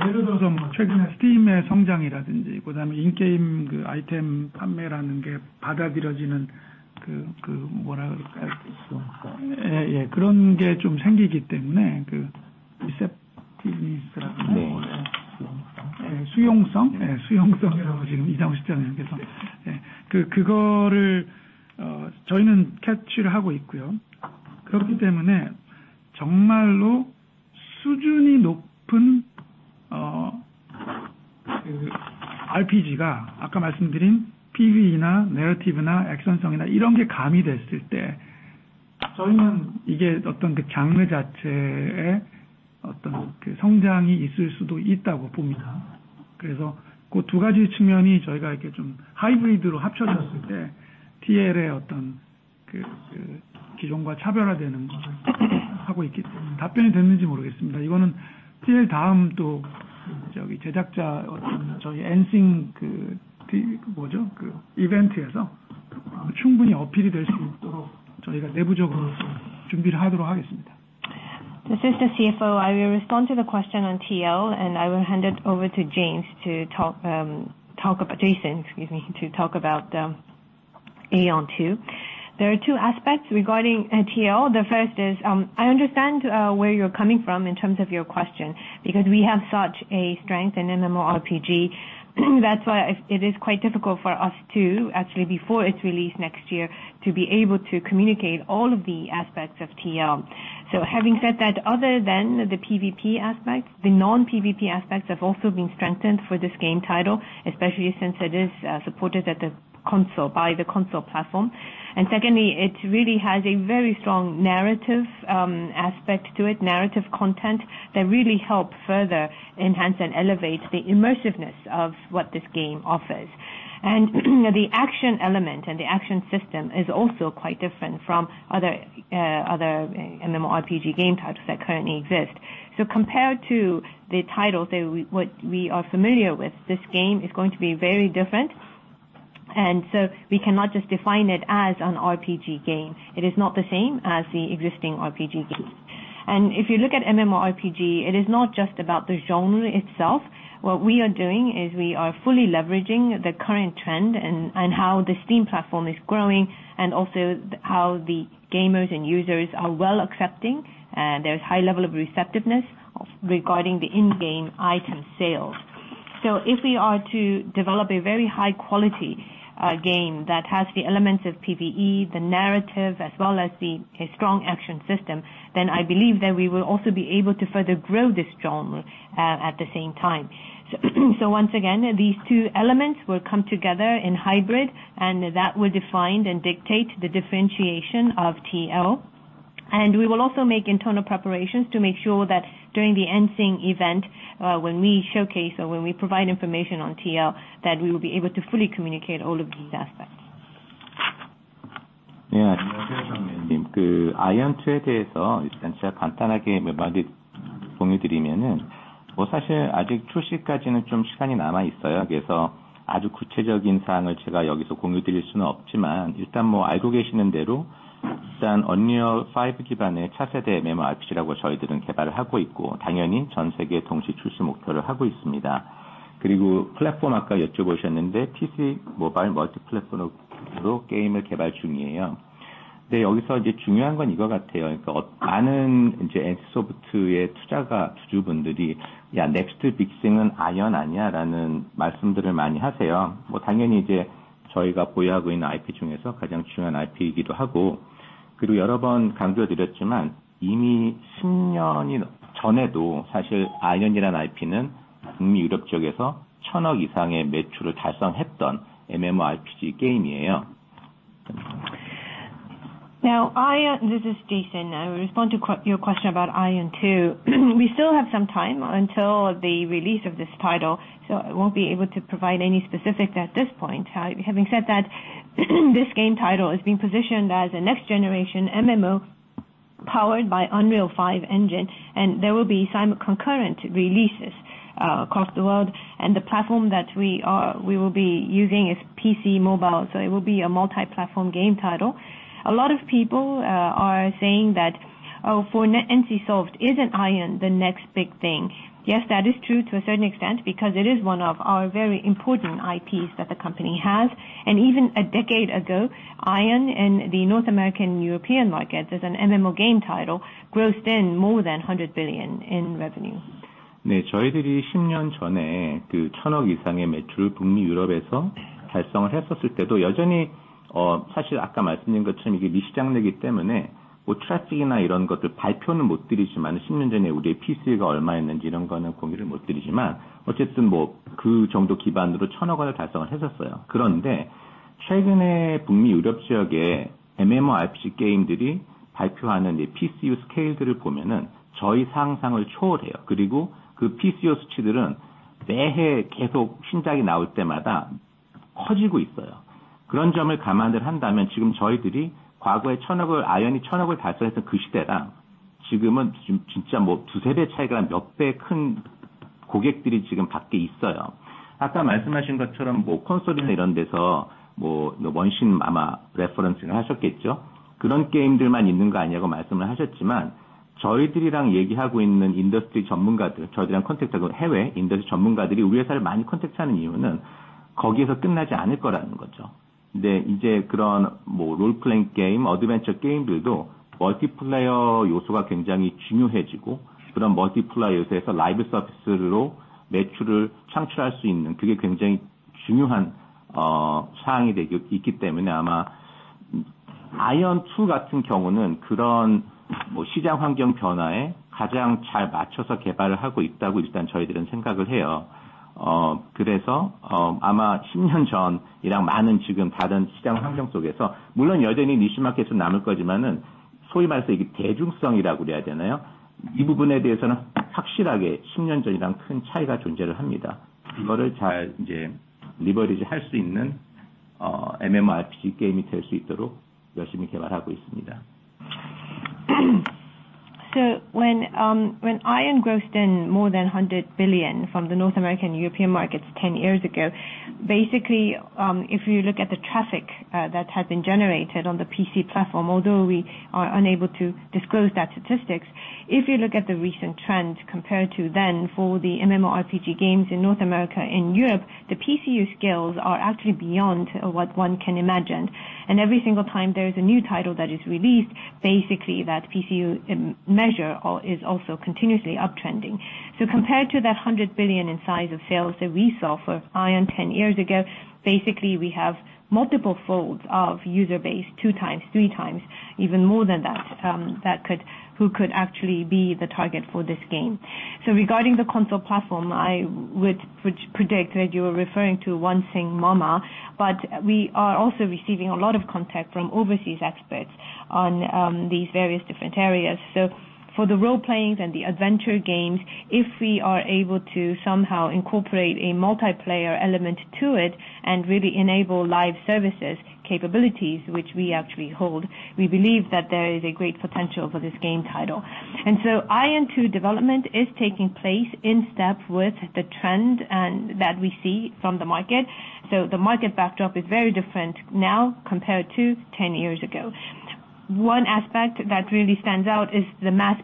예를 들어서 최근에 Steam의 성장이라든지 그다음에 인게임 아이템 판매라는 게 받아들여지는 그 receptiveness라고 하나? 수용성. 수용성. 수용성이라고 지금 이사님께서. 그거를 저희는 캐치를 하고 있고요. 그렇기 때문에 정말로 수준이 높은 RPG가 아까 말씀드린 PVE나 narrative나 액션성이나 이런 게 가미됐을 때 저희는 이게 어떤 장르 자체의 성장이 있을 수도 있다고 봅니다. 그래서 그두 가지 측면이 저희가 이렇게 좀 하이브리드로 합쳐졌을 때 TL의 기존과 차별화되는 것을 하고 있기 때문에... 답변이 됐는지 모르겠습니다. 이거는 TL 다음 또 제작자 저희 NCing 이벤트에서 아마 충분히 어필이 될수 있도록 저희가 내부적으로 또 준비를 하도록 하겠습니다. This is the CFO. I will respond to the question on TL, and I will hand it over to Jason to talk about Aion 2. There are two aspects regarding TL. The first is I understand where you're coming from in terms of your question, because we have such a strength in MMORPG. That's why it is quite difficult for us to actually, before it's released next year, to be able to communicate all of the aspects of TL. Having said that, other than the PVP aspect, the non-PVP aspects have also been strengthened for this game title, especially since it is supported at the console, by the console platform. Secondly, it really has a very strong narrative aspect to it, narrative content that really help further enhance and elevate the immersiveness of what this game offers. The action element and the action system is also quite different from other MMORPG game titles that currently exist. Compared to the titles that we are familiar with, this game is going to be very different, and we cannot just define it as an RPG game. It is not the same as the existing RPG games. If you look at MMORPG, it is not just about the genre itself. What we are doing is we are fully leveraging the current trend and how the Steam platform is growing and also how the gamers and users are well accepting, there is high level of receptiveness regarding the in-game item sales. If we are to develop a very high quality, game that has the elements of PVE, the narrative as well as the strong action system, then I believe that we will also be able to further grow this genre, at the same time. Once again, these two elements will come together in hybrid and that will define and dictate the differentiation of TL. We will also make internal preparations to make sure that during the NCing event, when we showcase or when we provide information on TL, that we will be able to fully communicate all of these aspects. 네, 안녕하세요, 박 매니저님. Aion 2에 대해서 일단 제가 간단하게 몇 마디 공유드리면은 사실 아직 출시까지는 좀 시간이 남아 있어요. 그래서 아주 구체적인 사항을 제가 여기서 공유드릴 수는 없지만 일단 알고 계시는 대로 일단 Unreal Engine 5 기반의 차세대 MMORPG라고 저희들은 개발을 하고 있고 당연히 전 세계 동시 출시 목표를 하고 있습니다. 그리고 플랫폼 아까 여쭤보셨는데 PC, mobile, multi-platform으로 게임을 개발 중이에요. 근데 여기서 이제 중요한 건 이거 같아요. 그러니까 많은 NCSOFT의 투자가, 주주분들이 "야, next big thing은 Aion 아니야?"라는 말씀들을 많이 하세요. 당연히 이제 저희가 보유하고 있는 IP 중에서 가장 중요한 IP이기도 하고, 그리고 여러 번 강조드렸지만 이미 10년 전에도 사실 Aion이라는 IP는 북미 유럽 지역에서 천억 이상의 매출을 달성했던 MMORPG 게임이에요. This is Jason. I will respond to your question about Aion 2. We still have some time until the release of this title, so I won't be able to provide any specifics at this point. Having said that, this game title is being positioned as a next generation MMO powered by Unreal Engine 5, and there will be simultaneous releases across the world. The platform that we will be using is PC mobile, so it will be a multi-platform game title. A lot of people are saying that, "Oh, for NCSOFT, isn't Aion the next big thing?" Yes, that is true to a certain extent because it is one of our very important IPs that the company has. Even a decade ago, Aion in the North American and European market as an MMO game title grossed in more than 100 billion in revenue. 저희들이 10년 전에 천억 이상의 매출을 북미 유럽에서 달성을 했었을 때도 여전히 아까 말씀드린 것처럼 이게 미시장이기 때문에 traffic이나 이런 것들 발표는 못 드리지만 10년 전에 우리의 PCU가 얼마였는지 이런 거는 공유를 못 드리지만 어쨌든 그 정도 기반으로 천억 원을 달성을 했었어요. 그런데 최근에 북미 유럽 지역의 MMORPG 게임들이 발표하는 이 PCU 스케일들을 보면은 저희 상상을 초월해요. 그리고 그 PCU 수치들은 매해 계속 신작이 나올 때마다 커지고 있어요. 그런 점을 감안을 한다면 지금 저희들이 과거에 천억 원을, Aion이 천억 원을 달성했던 그 시대랑 지금은 좀 진짜 두, 세배 차이가 난몇배큰 When Aion grossed more than 100 billion from the North American European markets 10 years ago, basically, if you look at the traffic that had been generated on the PC platform, although we are unable to disclose that statistics, if you look at the recent trends compared to then for the MMORPG games in North America and Europe, the PCU scales are actually beyond what one can imagine. Every single time there is a new title that is released, basically that PCU measure is also continuously uptrending. Compared to that 100 billion in size of sales that we saw for Aion 10 years ago, basically we have multiple folds of user base two times, three times even more than that, who could actually be the target for this game. Regarding the console platform, I would predict that you are referring to one thing, mama, but we are also receiving a lot of contact from overseas experts on these various different areas. For the role-playing and the adventure games, if we are able to somehow incorporate a multiplayer element to it and really enable live services capabilities which we actually hold, we believe that there is a great potential for this game title. Aion 2 development is taking place in step with the trend and that we see from the market. The market backdrop is very different now compared to 10 years ago. One aspect that really stands out is the mass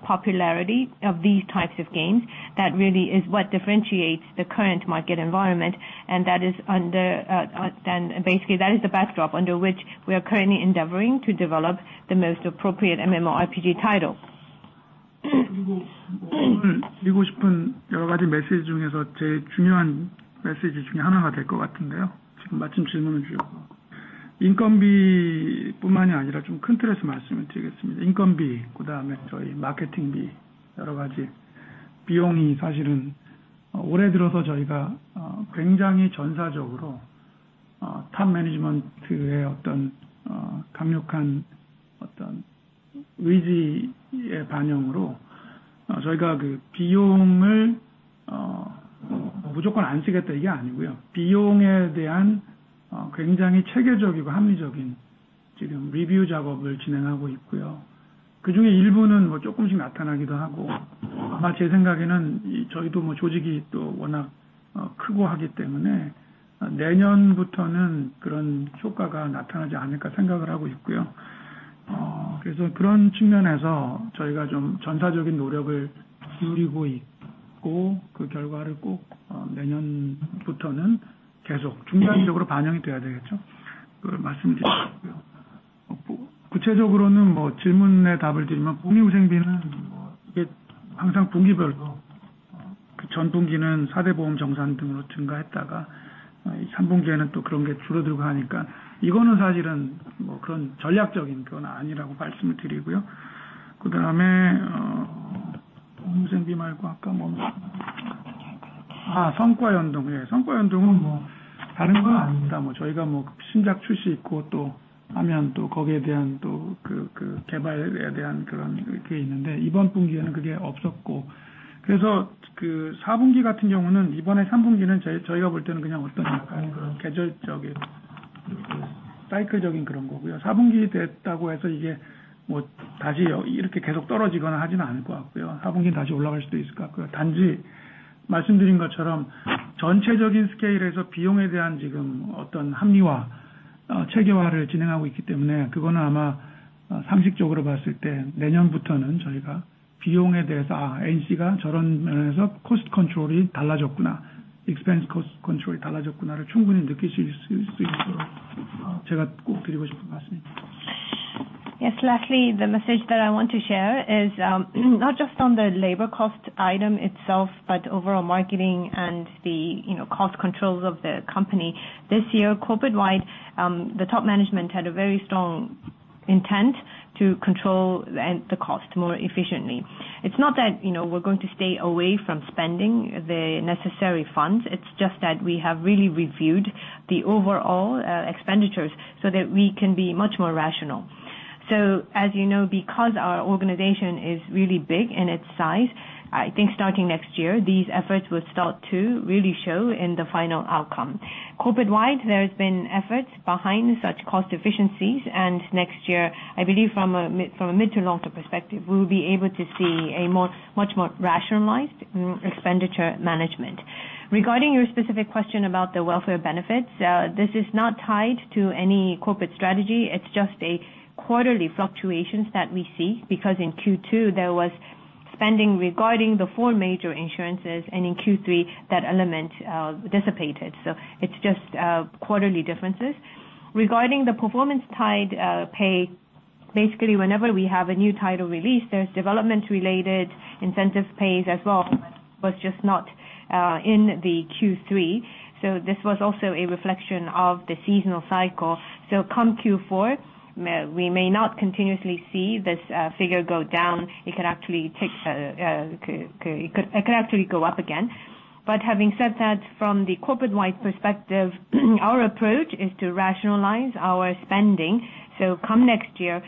popularity of these types of games. That really is what differentiates the current market environment, and then basically that is the backdrop under which we are currently endeavoring to develop the most appropriate MMORPG title. Yes. Lastly, the message that I want to share is not just on the labor cost item itself, but overall marketing and the, you know, cost controls of the company. This year, corporate wide, the top management had a very strong intent to control the cost more efficiently. It's not that, you know, we're going to stay away from spending the necessary funds. It's just that we have really reviewed the overall expenditures so that we can be much more rational. As you know, because our organization is really big in its size, I think starting next year, these efforts will start to really show in the final outcome. Corporate wide, there has been efforts behind such cost efficiencies, and next year, I believe from a mid to long-term perspective, we'll be able to see a much more rationalized expenditure management. Regarding your specific question about the welfare benefits, this is not tied to any corporate strategy. It's just a quarterly fluctuations that we see because in Q2 there was spending regarding the four major insurances and in Q3 that element dissipated. It's just quarterly differences. Regarding the performance-tied pay. Basically, whenever we have a new title release, there's development-related incentive pays as well. Was just not in the Q3. This was also a reflection of the seasonal cycle. Come Q4, we may not continuously see this figure go down. It can actually, it could actually go up again. Having said that, from the corporate-wide perspective, our approach is to rationalize our spending. Come next year,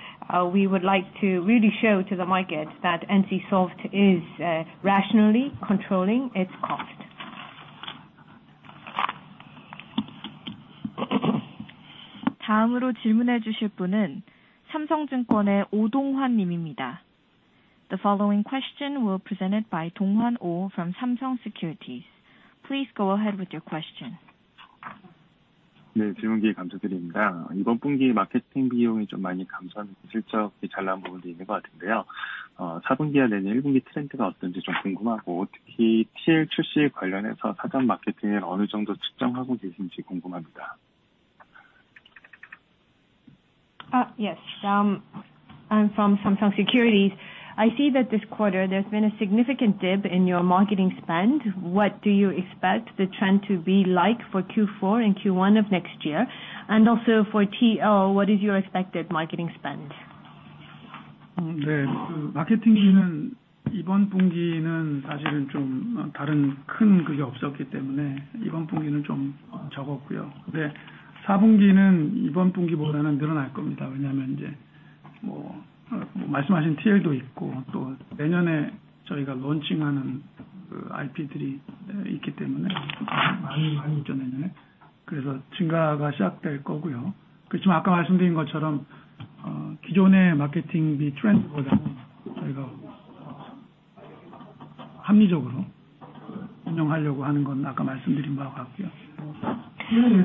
we would like to really show to the market that NCSOFT is rationally controlling its cost. The following question will be presented by Donghwan Oh from Samsung Securities. Please go ahead with your question. Yes. I'm from Samsung Securities. I see that this quarter there's been a significant dip in your marketing spend. What do you expect the trend to be like for Q4 and Q1 of next year? And also for TL, what is your expected marketing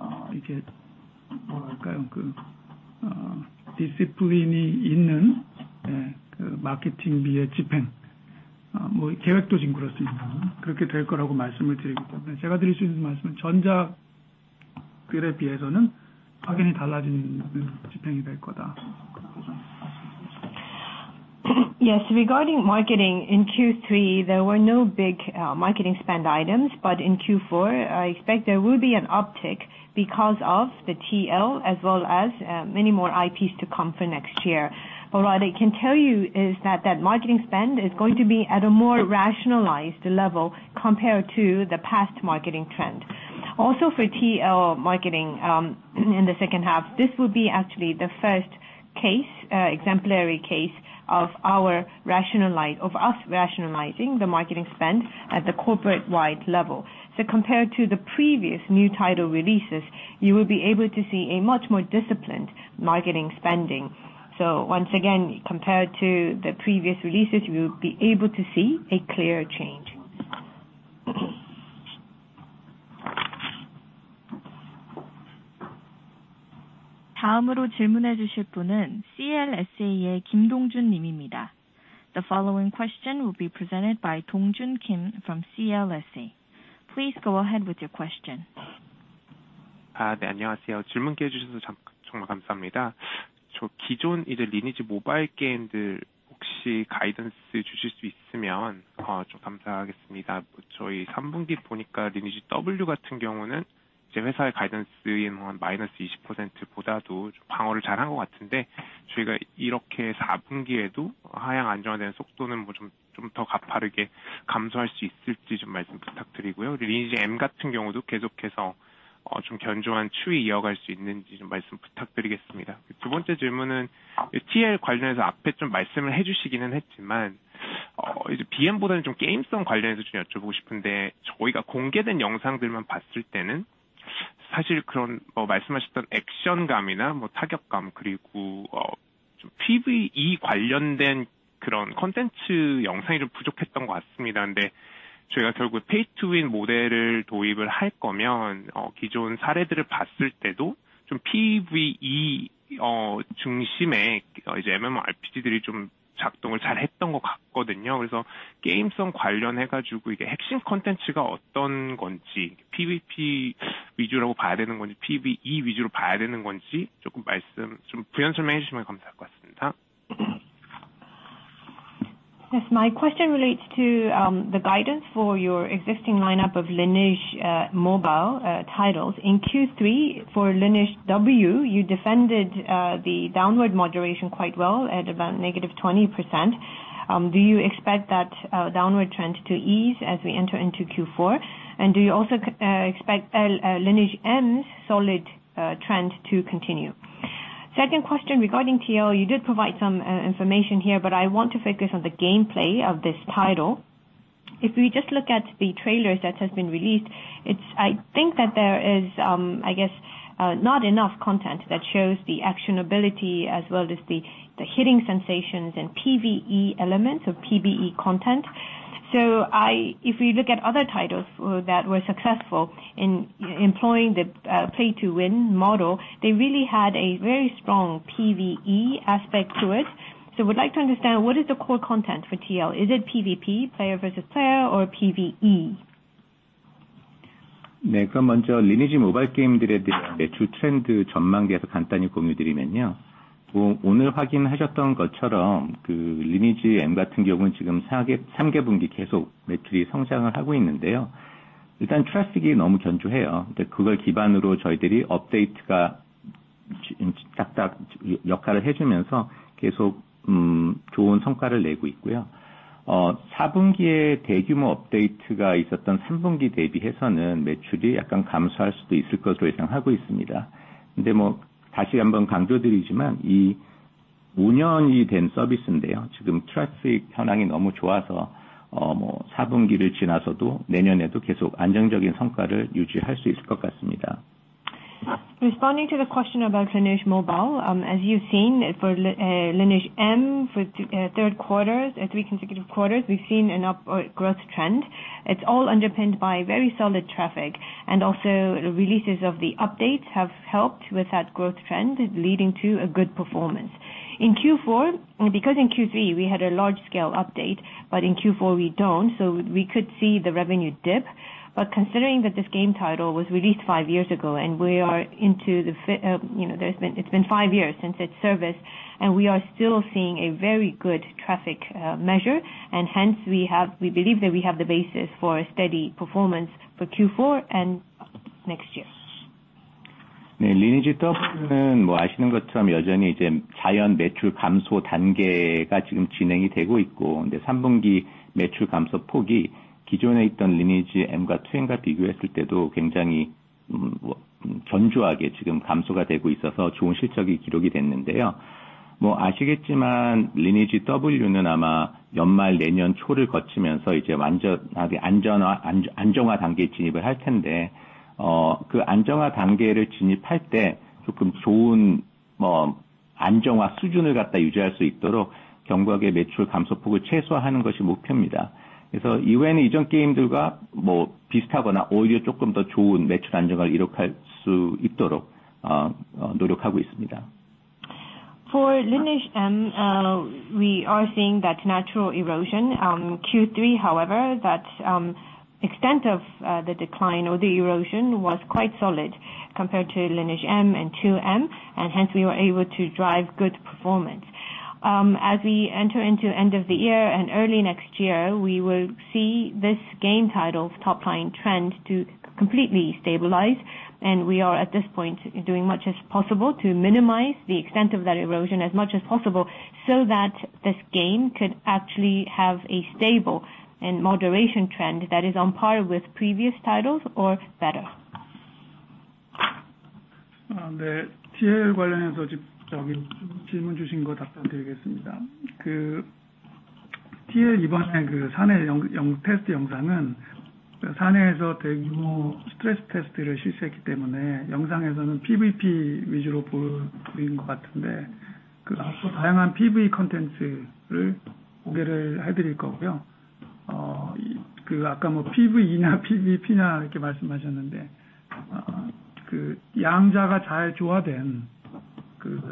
spend? Yes. Regarding marketing in Q3, there were no big marketing spend items. In Q4, I expect there will be an uptick because of the TL as well as many more IPs to come for next year. What I can tell you is that marketing spend is going to be at a more rationalized level compared to the past marketing trend. Also for TL marketing, in the second half, this will be actually the first case, exemplary case of us rationalizing the marketing spend at the corporate wide level. Compared to the previous new title releases, you will be able to see a much more disciplined marketing spending. Once again, compared to the previous releases, you will be able to see a clear change. The following question will be presented by Do Hyoung Kim from CLSA. Please go ahead with your question. Yes. My question relates to the guidance for your existing lineup of Lineage mobile titles. In Q3 for Lineage W, you defended the downward moderation quite well at about -20%. Do you expect that downward trend to ease as we enter into Q4? Do you also expect Lineage M's solid trend to continue? Second question regarding TL. You did provide some information here, but I want to focus on the gameplay of this title. If we just look at the trailers that has been released, it's. I think that there is, I guess, not enough content that shows the actionability as well as the the hitting sensations and PVE elements of PVE content. If we look at other titles that were successful in employing the pay-to-win model, they really had a very strong PVE aspect to it. We'd like to understand what is the core content for TL? Is it PVP, player versus player or PVE? Responding to the question about Lineage M. As you've seen for Lineage M, for third quarter, three consecutive quarters, we've seen an upward growth trend. It's all underpinned by very solid traffic, and also releases of the updates have helped with that growth trend, leading to a good performance. In Q4, because in Q3 we had a large scale update, but in Q4 we don't, so we could see the revenue dip. Considering that this game title was released five years ago and you know, it's been five years since its service, and we are still seeing a very good traffic measure. Hence we have, we believe that we have the basis for a steady performance for Q4 and next year. For Lineage M, we are seeing that natural erosion. Q3, however, that extent of the decline or the erosion was quite solid compared to Lineage M and Lineage2M, and hence we were able to drive good performance. As we enter into end of the year and early next year, we will see this game title's top line trend to completely stabilize, and we are at this point doing as much as possible to minimize the extent of that erosion as much as possible, so that this game could actually have a stable and moderate trend that is on par with previous titles or better. This is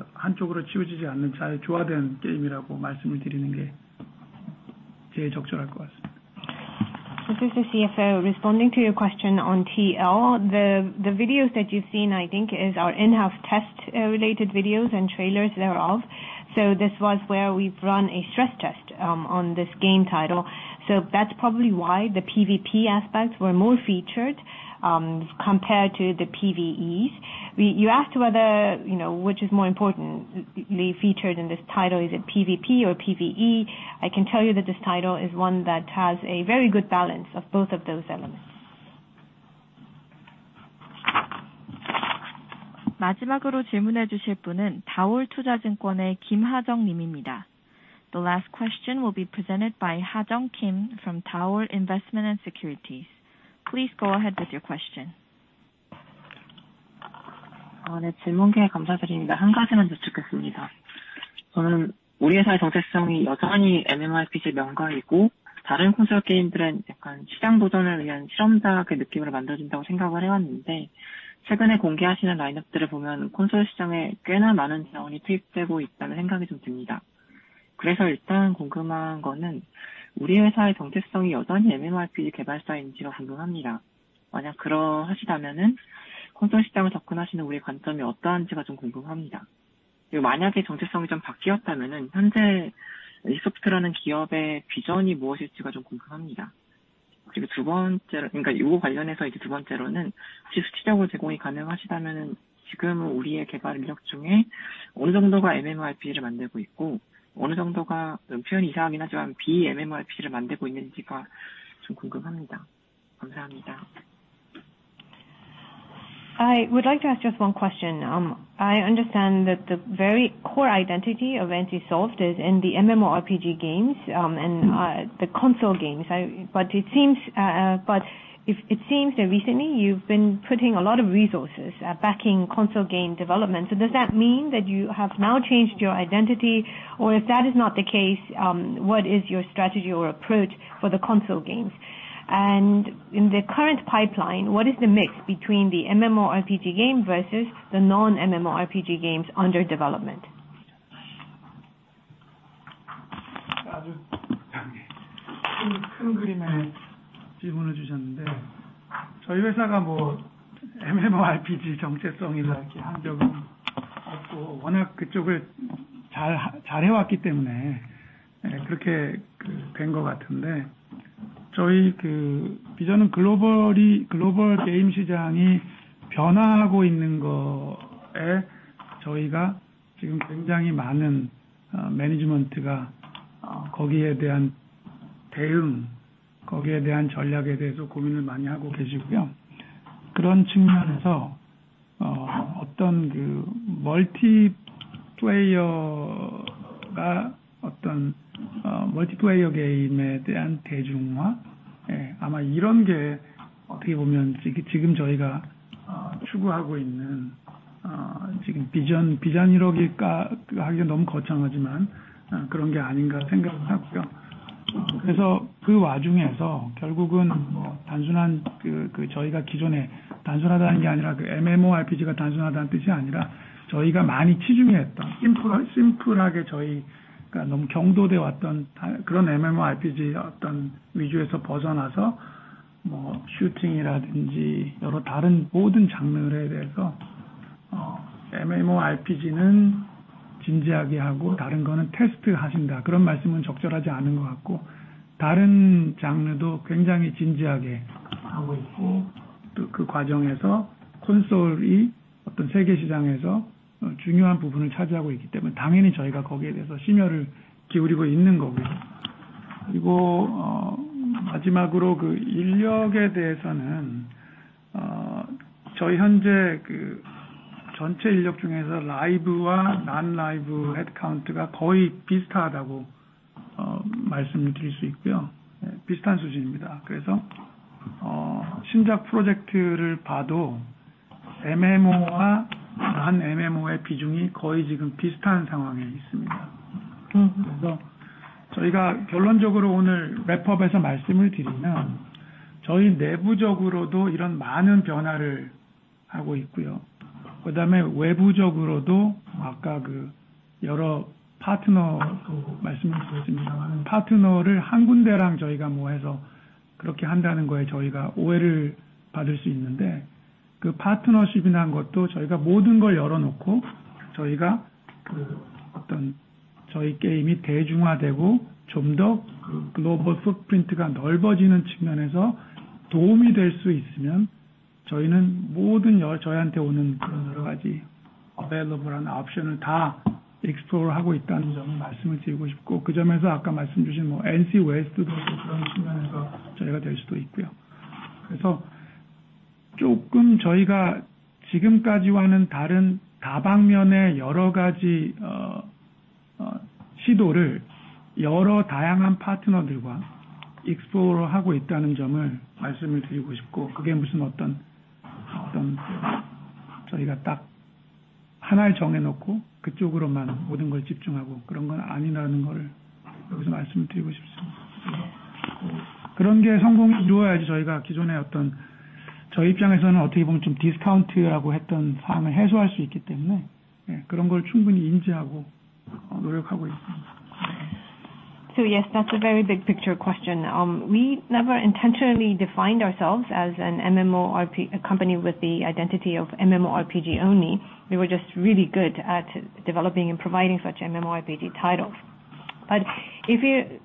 the CFO. Responding to your question on TL. The videos that you've seen, I think is our in-house test related videos and trailers thereof. This was where we've run a stress test on this game title. That's probably why the PVP aspects were more featured compared to the PVEs. You asked whether, you know, which is more important, they featured in this title, is it PVP or PVE? I can tell you that this title is one that has a very good balance of both of those elements. The last question will be presented by Hajeong Kim from DAOL Investment & Securities. Please go ahead with your question. I would like to ask just one question. I understand that the very core identity of NCSOFT is in the MMORPG games, and the console games. But it seems that recently you've been putting a lot of resources backing console game development. Does that mean that you have now changed your identity? Or if that is not the case, what is your strategy or approach for the console games? In the current pipeline, what is the mix between the MMORPG game versus the non-MMORPG games under development? Yes, that's a very big picture question. We never intentionally defined ourselves as an MMORPG company with the identity of MMORPG only. We were just really good at developing and providing such MMORPG titles. If you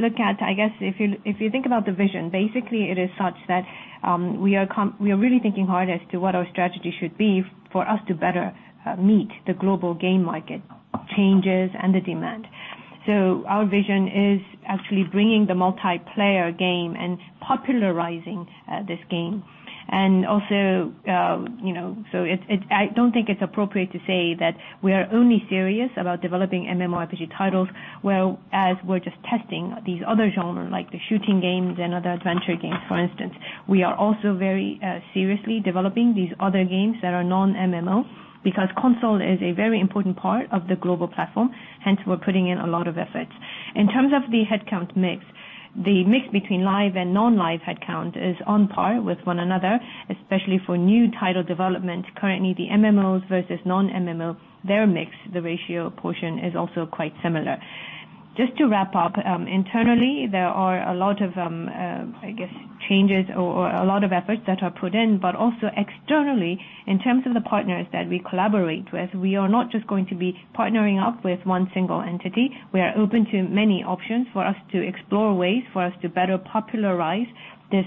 look at... I guess, if you think about the vision, basically it is such that we are really thinking hard as to what our strategy should be for us to better meet the global game market changes and the demand. Our vision is actually bringing the multiplayer game and popularizing this game. I don't think it's appropriate to say that we are only serious about developing MMORPG titles, whereas we're just testing these other genres, like the shooting games and other adventure games, for instance. We are also very seriously developing these other games that are non-MMO because console is a very important part of the global platform, hence we're putting in a lot of efforts. In terms of the headcount mix, the mix between live and non-live headcount is on par with one another, especially for new title development. Currently, the MMOs versus non-MMO, their mix, the ratio portion is also quite similar. Just to wrap up, internally, there are a lot of, I guess, changes or a lot of efforts that are put in, but also externally in terms of the partners that we collaborate with, we are not just going to be partnering up with one single entity. We are open to many options for us to explore ways for us to better popularize this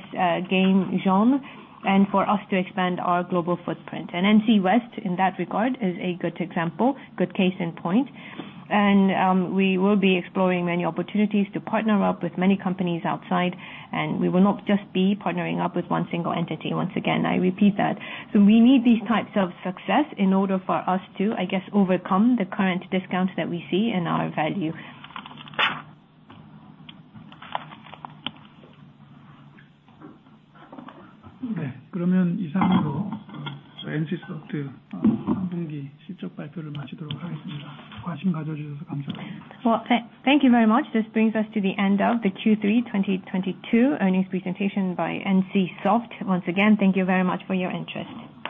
game genre and for us to expand our global footprint. NC West, in that regard, is a good example, good case in point. We will be exploring many opportunities to partner up with many companies outside, and we will not just be partnering up with one single entity. Once again, I repeat that. We need these types of success in order for us to, I guess, overcome the current discounts that we see in our value. Well, thank you very much. This brings us to the end of the Q3 2022 earnings presentation by NCSOFT. Once again, thank you very much for your interest.